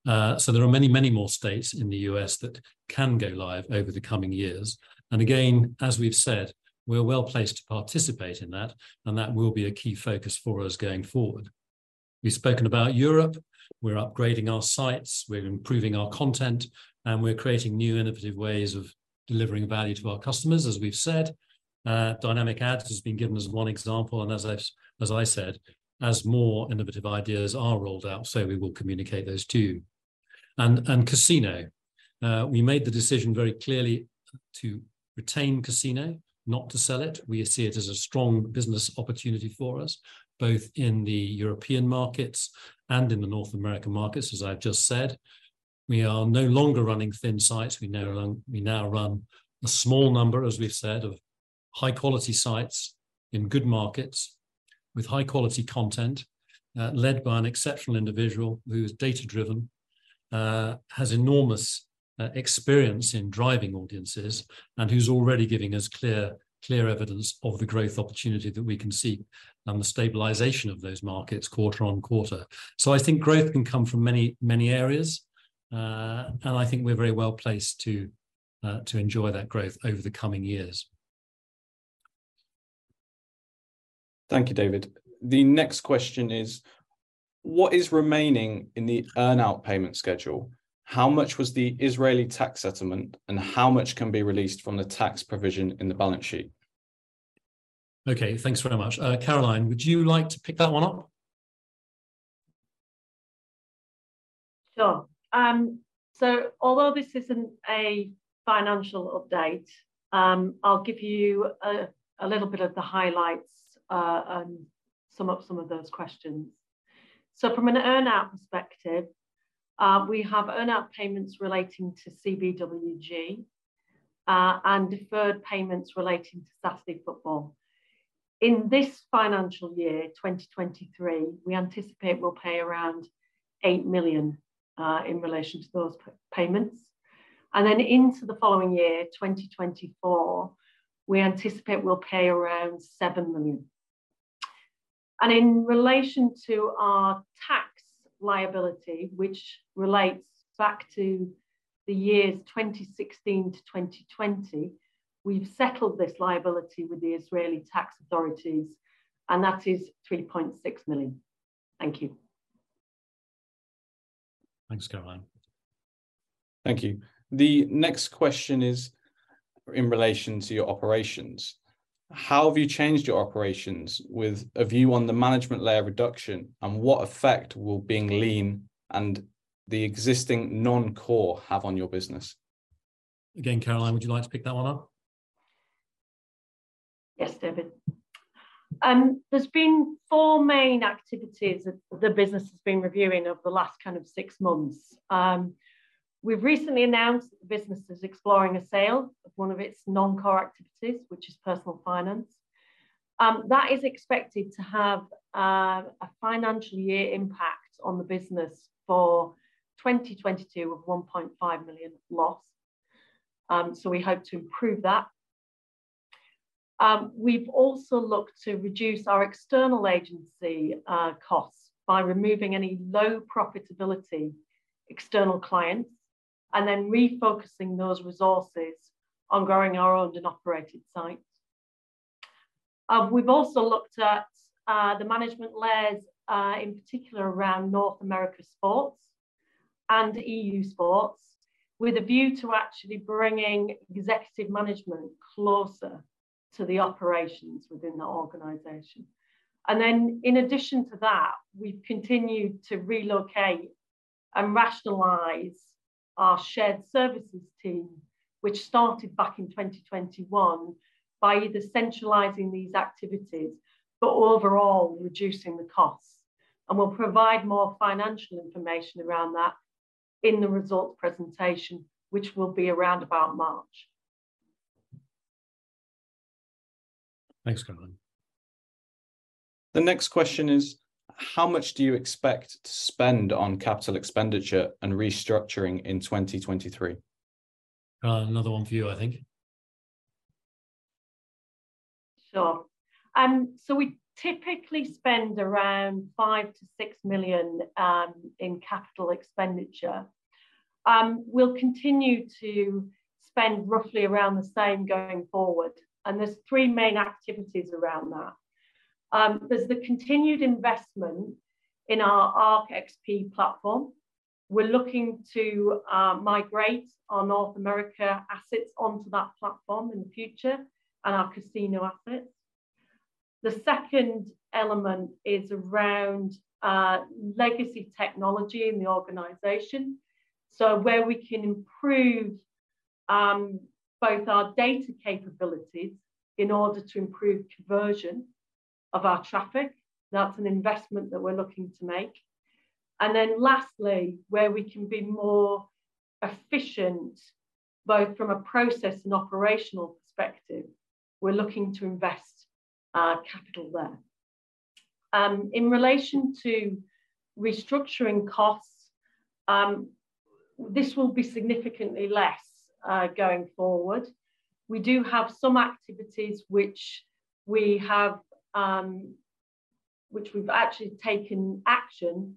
There are many, many more states in the U.S. that can go live over the coming years. Again, as we've said, we're well-placed to participate in that, and that will be a key focus for us going forward. We've spoken about Europe. We're upgrading our sites, we're improving our content, and we're creating new innovative ways of delivering value to our customers, as we've said. Dynamic Ads has been given as one example, and as I said, as more innovative ideas are rolled out, we will communicate those to you. Casino, we made the decision very clearly to retain casino, not to sell it. We see it as a strong business opportunity for us, both in the European markets and in the North American markets, as I've just said. We are no longer running thin sites. We now run a small number, as we've said, of high-quality sites in good markets with high-quality content, led by an exceptional individual who is data-driven, has enormous experience in driving audiences and has already giving us clear evidence of the growth opportunity that we can see and the stabilization of those markets quarter-on-quarter. I think growth can come from many, many areas, and I think we're very well-placed to enjoy that growth over the coming years. Thank you, David. The next question is: what is remaining in the earn-out payment schedule? How much was the Israeli tax settlement, and how much can be released from the tax provision in the balance sheet? Okay, thanks very much. Caroline, would you like to pick that one up? Sure. Although this isn't a financial update, I'll give you a little bit of the highlights and sum up some of those questions. From an earn-out perspective, we have earn-out payments relating to CBWG and deferred payments relating to Saturday Football. In this financial year, 2023, we anticipate we'll pay around $8 million in relation to those payments. Into the following year, 2024, we anticipate we'll pay around $7 million. In relation to our tax liability, which relates back to the years 2016 to 2020, we've settled this liability with the Israeli tax authorities, and that is $3.6 million. Thank you. Thanks, Caroline. Thank you. The next question is in relation to your operations. How have you changed your operations with a view on the management layer reduction, and what effect will being lean and the existing non-core have on your business? Caroline, would you like to pick that one up? Yes, David. There's been 4 main activities that the business has been reviewing over the last kind of 6 months. We've recently announced the business is exploring a sale of one of its non-core activities, which is personal finance. That is expected to have a financial year impact on the business for 2022 of a $1.5 million loss. We hope to improve that. We've also looked to reduce our external agency costs by removing any low profitability external clients and then refocusing those resources on growing our owned and operated sites. We've also looked at the management layers in particular around North America sports and EU sports with a view to actually bringing executive management closer to the operations within the organization. In addition to that, we've continued to relocate and rationalize our shared services team, which started back in 2021, by either centralizing these activities but overall reducing the costs. We'll provide more financial information around that. In the results presentation, which will be around about March Thanks, Caroline. The next question is, how much do you expect to spend on capital expenditure and restructuring in 2023? Caroline, another one for you, I think. Sure. We typically spend around $5 million-$6 million in CapEx. We'll continue to spend roughly around the same going forward, and there's three main activities around that. There's the continued investment in our Arc XP platform. We're looking to migrate our North America assets onto that platform in the future and our casino assets. The second element is around legacy technology in the organization. Where we can improve both our data capabilities in order to improve conversion of our traffic, that's an investment that we're looking to make. Lastly, where we can be more efficient, both from a process and operational perspective, we're looking to invest capital there. In relation to restructuring costs, this will be significantly less going forward. We do have some activities which we have, which we've actually taken action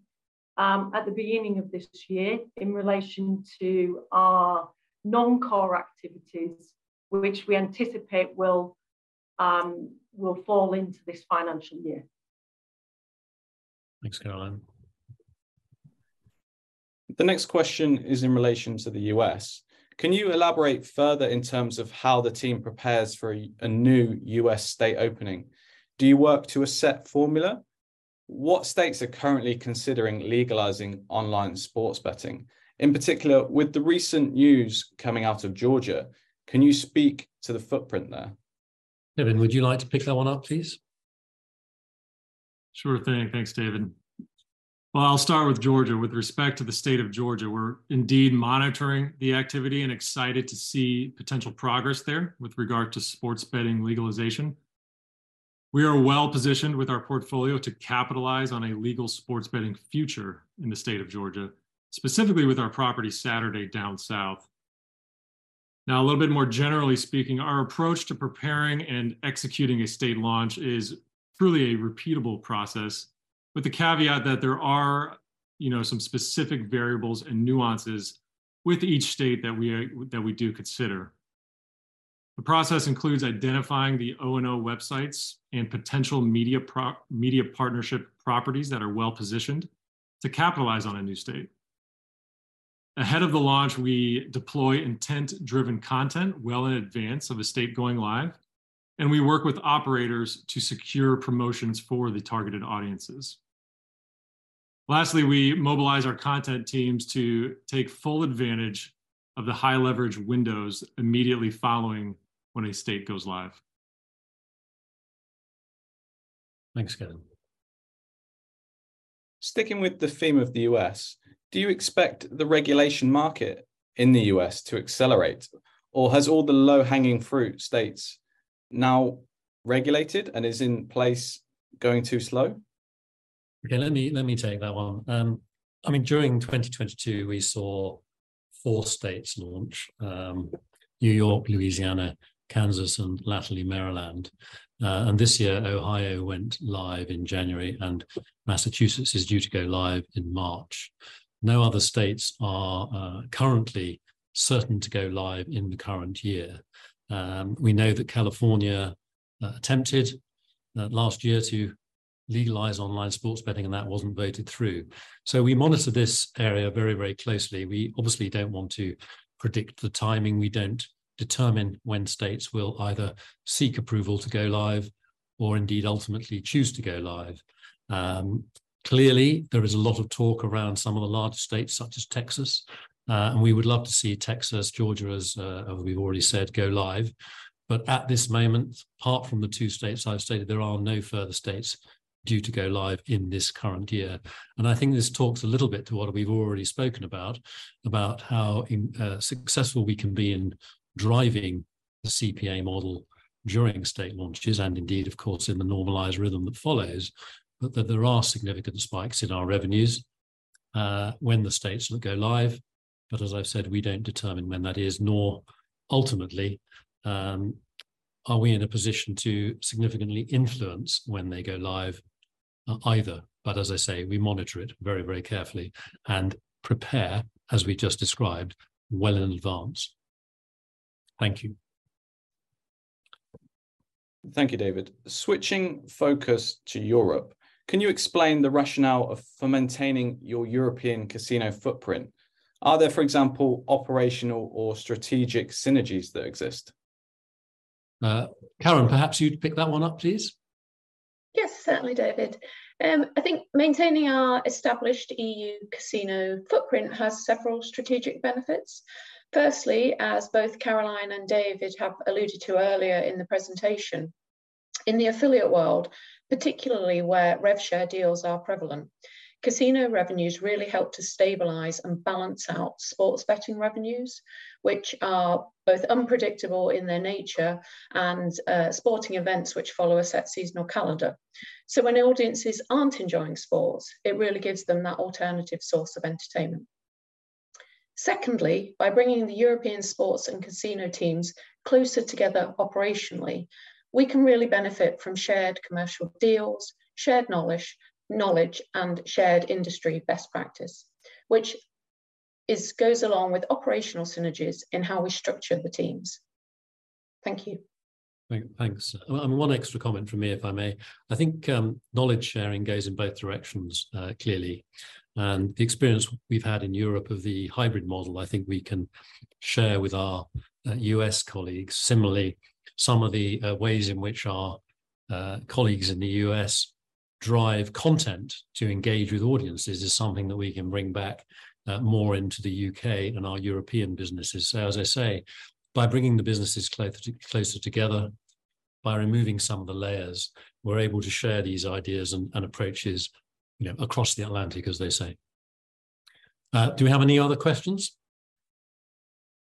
at the beginning of this year in relation to our non-core activities, which we anticipate will fall into this financial year. Thanks, Caroline. The next question is in relation to the U.S. Can you elaborate further in terms of how the team prepares for a new U.S. state opening? Do you work to a set formula? What states are currently considering legalizing online sports betting? In particular, with the recent news coming out of Georgia, can you speak to the footprint there? Kevin, would you like to pick that one up, please? Sure thing. Thanks, David. Well, I'll start with Georgia. With respect to the State of Georgia, we're indeed monitoring the activity and excited to see potential progress there with regard to sports betting legalization. We are well-positioned with our portfolio to capitalize on a legal sports betting future in the State of Georgia, specifically with our property Saturday Down South. A little bit more generally speaking, our approach to preparing and executing a state launch is truly a repeatable process, with the caveat that there are, you know, some specific variables and nuances with each state that we that we do consider. The process includes identifying the O&O websites and potential media partnership properties that are well-positioned to capitalize on a new state. Ahead of the launch, we deploy intent-driven content well in advance of a state going live, and we work with operators to secure promotions for the targeted audiences. Lastly, we mobilize our content teams to take full advantage of the high leverage windows immediately following when a state goes live. Thanks, Kevin. Sticking with the theme of the U.S., do you expect the regulation market in the U.S. to accelerate, or has all the low-hanging fruit states now regulated and is in place going too slow? Let me take that one. I mean, during 2022, we saw 4 states launch, New York, Louisiana, Kansas, and latterly Maryland. This year, Ohio went live in January, and Massachusetts is due to go live in March. No other states are currently certain to go live in the current year. We know that California attempted last year to legalize online sports betting, that wasn't voted through. We monitor this area very closely. We obviously don't want to predict the timing. We don't determine when states will either seek approval to go live or indeed ultimately choose to go live. Clearly there is a lot of talk around some of the larger states, such as Texas, we would love to see Texas, Georgia, as we've already said, go live. At this moment, apart from the two states I've stated, there are no further states due to go live in this current year. I think this talks a little bit to what we've already spoken about how in successful we can be in driving the CPA model during state launches and indeed, of course, in the normalized rhythm that follows, but that there are significant spikes in our revenues when the states go live. As I've said, we don't determine when that is, nor ultimately, are we in a position to significantly influence when they go live either. As I say, we monitor it very, very carefully and prepare, as we just described, well in advance. Thank you. Thank you, David. Switching focus to Europe, can you explain the rationale for maintaining your European casino footprint? Are there, for example, operational or strategic synergies that exist? Caroline, perhaps you'd pick that one up, please. Yes, certainly, David. I think maintaining our established EU casino footprint has several strategic benefits. Firstly, as both Caroline and David have alluded to earlier in the presentation- In the affiliate world, particularly where rev share deals are prevalent, casino revenues really help to stabilize and balance out sports betting revenues, which are both unpredictable in their nature and sporting events which follow a set seasonal calendar. When audiences aren't enjoying sports, it really gives them that alternative source of entertainment. Secondly, by bringing the European sports and casino teams closer together operationally, we can really benefit from shared commercial deals, shared knowledge, and shared industry best practice, which goes along with operational synergies in how we structure the teams. Thank you. Thanks. One extra comment from me, if I may. I think knowledge sharing goes in both directions, clearly. The experience we've had in Europe of the hybrid model, I think we can share with our US colleagues. Similarly, some of the ways in which our colleagues in the US drive content to engage with audiences is something that we can bring back more into the UK and our European businesses. As I say, by bringing the businesses closer together, by removing some of the layers, we're able to share these ideas and approaches, you know, across the Atlantic, as they say. Do we have any other questions?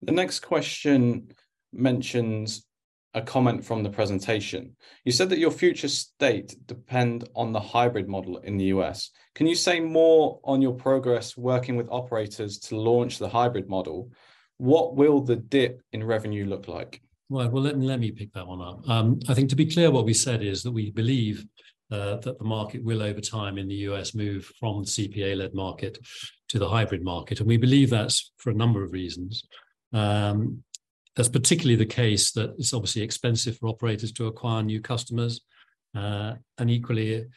The next question mentions a comment from the presentation. You said that your future state depend on the hybrid model in the U.S. Can you say more on your progress working with operators to launch the hybrid model? What will the dip in revenue look like? Right. Well, let me pick that one up. I think to be clear, what we said is that we believe that the market will, over time, in the U.S., move from CPA-led market to the hybrid market, and we believe that's for a number of reasons. That's particularly the case that it's obviously expensive for operators to acquire new customers. And equally,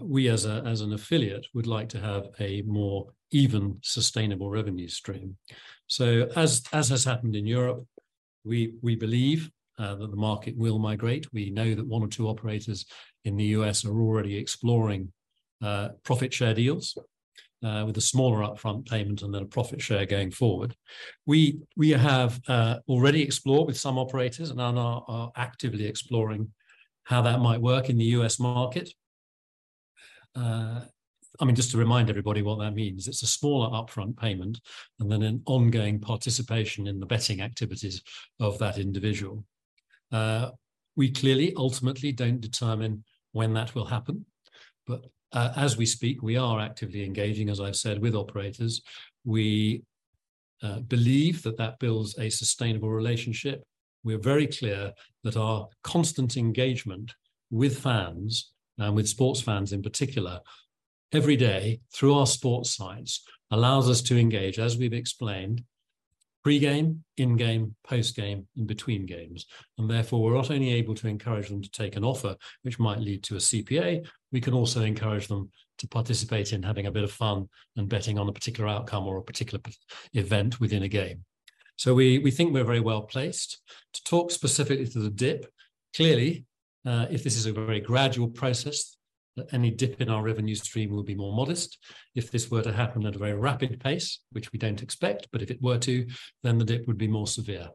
we as an affiliate would like to have a more even sustainable revenue stream. As has happened in Europe, we believe that the market will migrate. We know that one or two operators in the U.S. are already exploring profit share deals with a smaller upfront payment and then a profit share going forward. We have already explored with some operators and are actively exploring how that might work in the U.S. market. I mean, just to remind everybody what that means. It's a smaller upfront payment and then an ongoing participation in the betting activities of that individual. We clearly ultimately don't determine when that will happen. As we speak, we are actively engaging, as I've said, with operators. We believe that that builds a sustainable relationship. We're very clear that our constant engagement with fans and with sports fans in particular, every day through our sports sites allows us to engage, as we've explained, pre-game, in-game, post-game, in between games. Therefore, we're not only able to encourage them to take an offer which might lead to a CPA, we can also encourage them to participate in having a bit of fun and betting on a particular outcome or a particular event within a game. We think we're very well-placed. To talk specifically to the dip, clearly, if this is a very gradual process, any dip in our revenue stream will be more modest. If this were to happen at a very rapid pace, which we don't expect, but if it were to, then the dip would be more severe.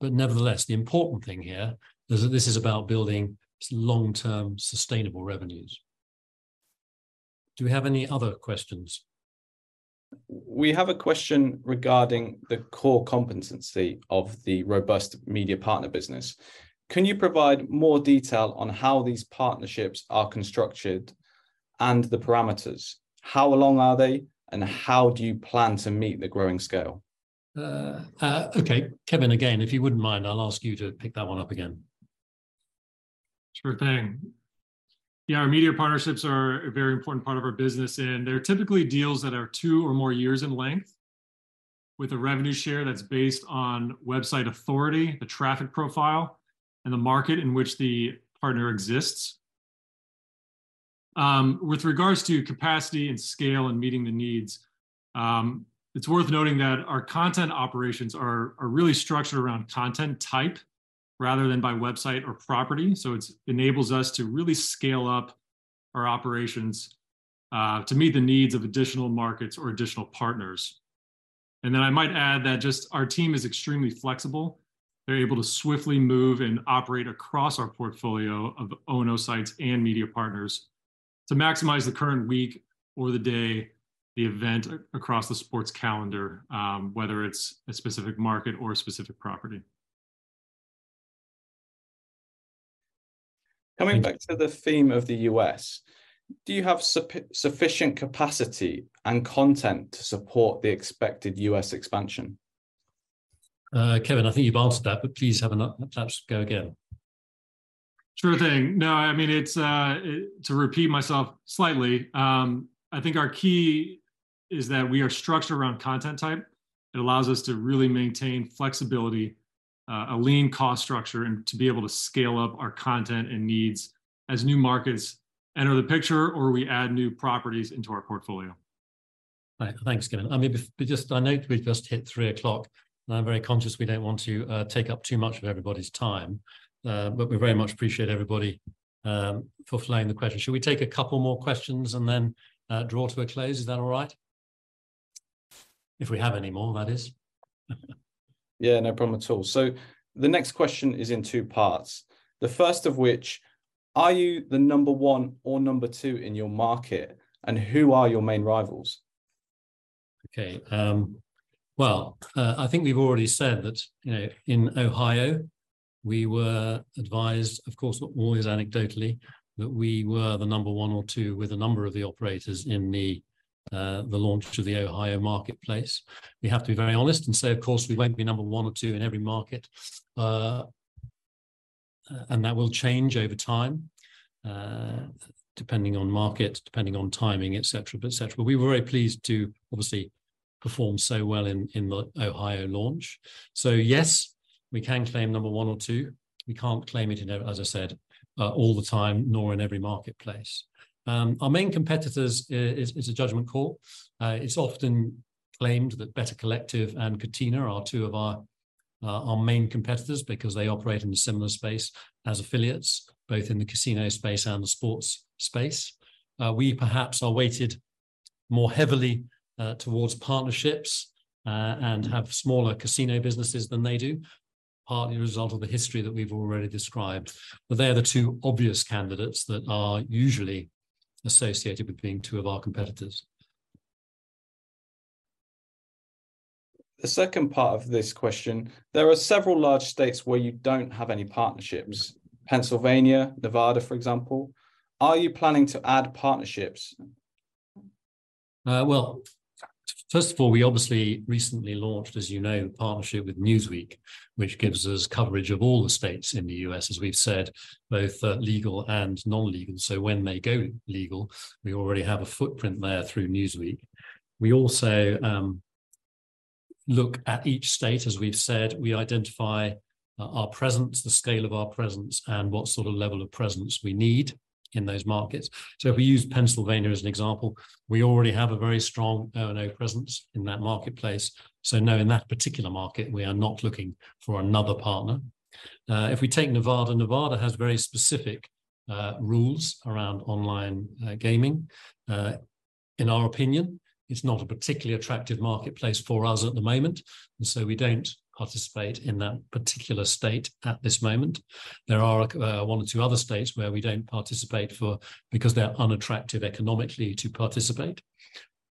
Nevertheless, the important thing here is that this is about building long-term sustainable revenues. Do we have any other questions? We have a question regarding the core competency of the robust media partner business. Can you provide more detail on how these partnerships are constructed and the parameters? How long are they, and how do you plan to meet the growing scale? okay. Kevin, again, if you wouldn't mind, I'll ask you to pick that one up again. Sure thing. Yeah, our media partnerships are a very important part of our business, they're typically deals that are 2 or more years in length with a revenue share that's based on website authority, the traffic profile, and the market in which the partner exists. With regards to capacity and scale and meeting the needs, it's worth noting that our content operations are really structured around content type rather than by website or property, so it enables us to really scale up our operations to meet the needs of additional markets or additional partners. I might add that just our team is extremely flexible. They're able to swiftly move and operate across our portfolio of O&O sites and media partners to maximize the current week or the day, the event across the sports calendar, whether it's a specific market or a specific property. Coming back- Thank you.... to the theme of the U.S., do you have sufficient capacity and content to support the expected U.S. expansion? Kevin, I think you've answered that, but please have perhaps go again. Sure thing. No, I mean, it's, to repeat myself slightly, I think our key is that we are structured around content type. It allows us to really maintain flexibility, a lean cost structure, and to be able to scale up our content and needs as new markets enter the picture or we add new properties into our portfolio. Right. Thanks, Kevin. I mean, I note we've just hit 3 o'clock. I'm very conscious we don't want to take up too much of everybody's time. We very much appreciate everybody for flying the question. Shall we take a couple more questions then draw to a close? Is that all right? If we have any more, that is. Yeah, no problem at all. The next question is in two parts. The first of which, are you the number one or number two in your market, and who are your main rivals? Well, I think we've already said that, you know, in Ohio we were advised, of course always anecdotally, that we were the number one or two with a number of the operators in the launch of the Ohio marketplace. We have to be very honest and say, of course, we won't be number one or two in every market. That will change over time, depending on market, depending on timing, et cetera, et cetera. We were very pleased to obviously perform so well in the Ohio launch. Yes, we can claim number one or two. We can't claim it in every, as I said, all the time nor in every marketplace. Our main competitors is a judgment call. It's often claimed that Better Collective and Catena are two of our main competitors because they operate in a similar space as affiliates, both in the casino space and the sports space. We perhaps are weighted more heavily towards partnerships and have smaller casino businesses than they do, partly a result of the history that we've already described. They're the two obvious candidates that are usually associated with being two of our competitors. The second part of this question, there are several large states where you don't have any partnerships. Pennsylvania, Nevada, for example. Are you planning to add partnerships? Well, first of all, we obviously recently launched, as you know, a partnership with Newsweek, which gives us coverage of all the states in the U.S., as we've said, both legal and non-legal. When they go legal, we already have a footprint there through Newsweek. We also look at each state as we've said. We identify our presence, the scale of our presence, and what sort of level of presence we need in those markets. If we use Pennsylvania as an example, we already have a very strong O&O presence in that marketplace. No, in that particular market we are not looking for another partner. If we take Nevada has very specific rules around online gaming. In our opinion, it's not a particularly attractive marketplace for us at the moment, and so we don't participate in that particular state at this moment. There are one or two other states where we don't participate for because they're unattractive economically to participate.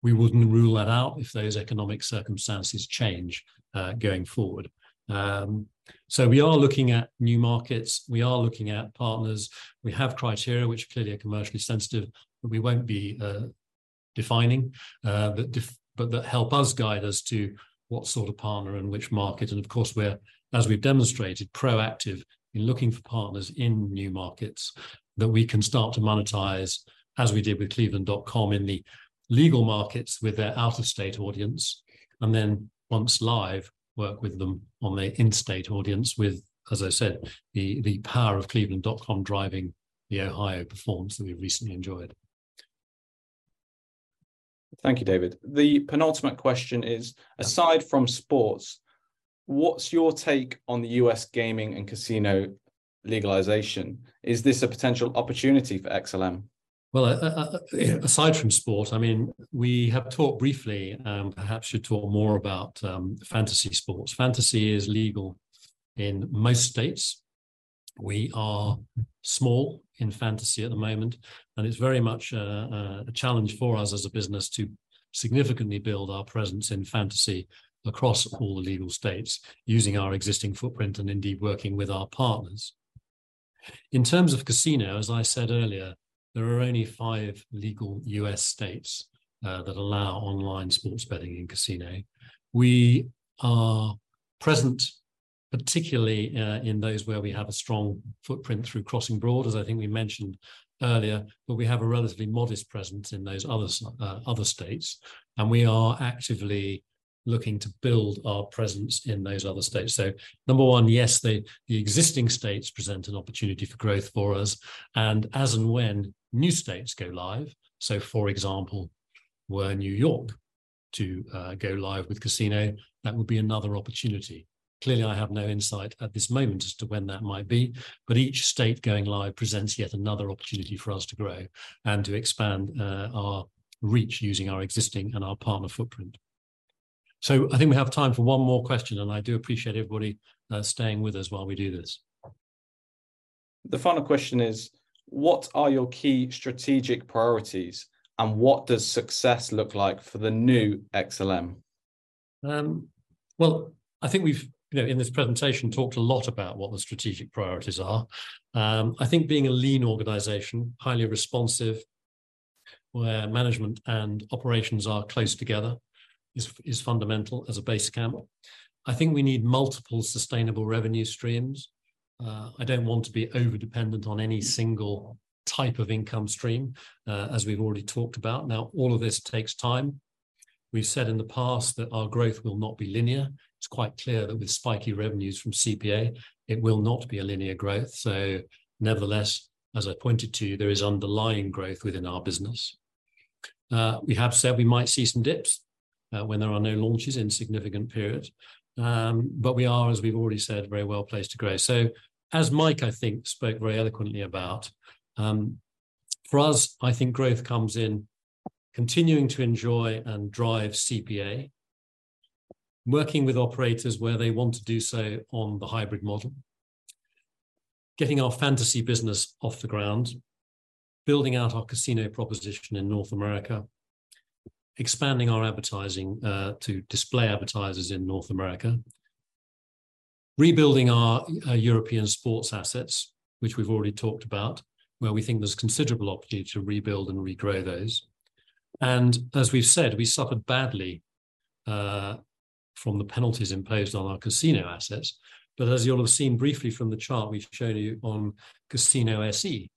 We wouldn't rule that out if those economic circumstances change going forward. We are looking at new markets. We are looking at partners. We have criteria which clearly are commercially sensitive that we won't be defining, but that help us guide us to what sort of partner and which market. Of course we're, as we've demonstrated, proactive in looking for partners in new markets that we can start to monetize as we did with cleveland.com in the legal markets with their out-of-state audience, and then once live work with them on their in-state audience with, as I said, the power of cleveland.com driving the Ohio performance that we've recently enjoyed. Thank you, David. The penultimate question is, aside from sports, what's your take on the U.S. gaming and casino legalization? Is this a potential opportunity for XLM? Well, aside from sport, I mean, we have talked briefly, perhaps should talk more about fantasy sports. Fantasy is legal in most states. We are small in fantasy at the moment and it's very much a challenge for us as a business to significantly build our presence in fantasy across all the legal states using our existing footprint and indeed working with our partners. In terms of casino, as I said earlier, there are only 5 legal U.S. states that allow online sports betting and casino. We are present particularly in those where we have a strong footprint through CrossingBroad, as I think we mentioned earlier, but we have a relatively modest presence in those other states, and we are actively looking to build our presence in those other states. Number one, yes, the existing states present an opportunity for growth for us and as and when new states go live, for example, were New York to go live with casino, that would be another opportunity. Clearly I have no insight at this moment as to when that might be, but each state going live presents yet another opportunity for us to grow and to expand our reach using our existing and our partner footprint. I think we have time for one more question, and I do appreciate everybody staying with us while we do this. The final question is, what are your key strategic priorities and what does success look like for the new XLM? Well, I think we've, you know, in this presentation talked a lot about what the strategic priorities are. I think being a lean organization, highly responsive, where management and operations are close together is fundamental as a base camp. I think we need multiple sustainable revenue streams. I don't want to be over-dependent on any single type of income stream, as we've already talked about. All of this takes time. We've said in the past that our growth will not be linear. It's quite clear that with spiky revenues from CPA it will not be a linear growth. Nevertheless, as I pointed to you, there is underlying growth within our business. We have said we might see some dips, when there are no launches in significant periods. We are, as we've already said, very well placed to grow. As Mike, I think spoke very eloquently about, For us, I think growth comes in continuing to enjoy and drive CPA, working with operators where they want to do so on the hybrid model, getting our fantasy business off the ground, building out our casino proposition in North America, expanding our advertising to display advertisers in North America, rebuilding our European sports assets, which we've already talked about, where we think there's considerable opportunity to rebuild and regrow those. As we've said, we suffered badly from the penalties imposed on our casino assets. As you'll have seen briefly from the chart we've shown you on casino.se,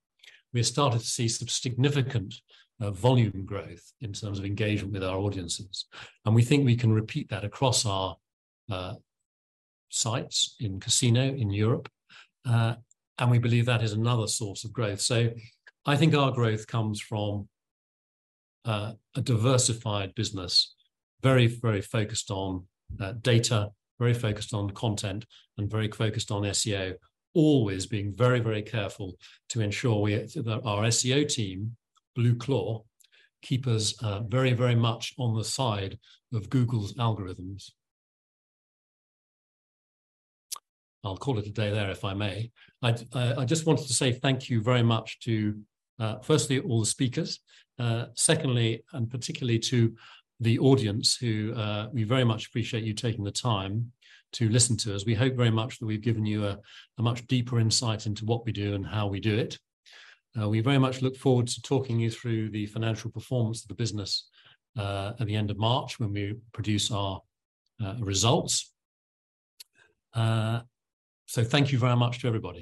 we have started to see some significant volume growth in terms of engagement with our audiences, and we think we can repeat that across our sites in casino in Europe. We believe that is another source of growth. I think our growth comes from a diversified business, very, very focused on data, very focused on content, and very focused on SEO. Always being very, very careful to ensure that our SEO team, Blueclaw, keep us very, very much on the side of Google's algorithms. I'll call it a day there if I may. I just wanted to say thank you very much to firstly, all the speakers. Secondly, particularly to the audience who we very much appreciate you taking the time to listen to us. We hope very much that we've given you a much deeper insight into what we do and how we do it. We very much look forward to talking you through the financial performance of the business at the end of March when we produce our results. Thank you very much to everybody.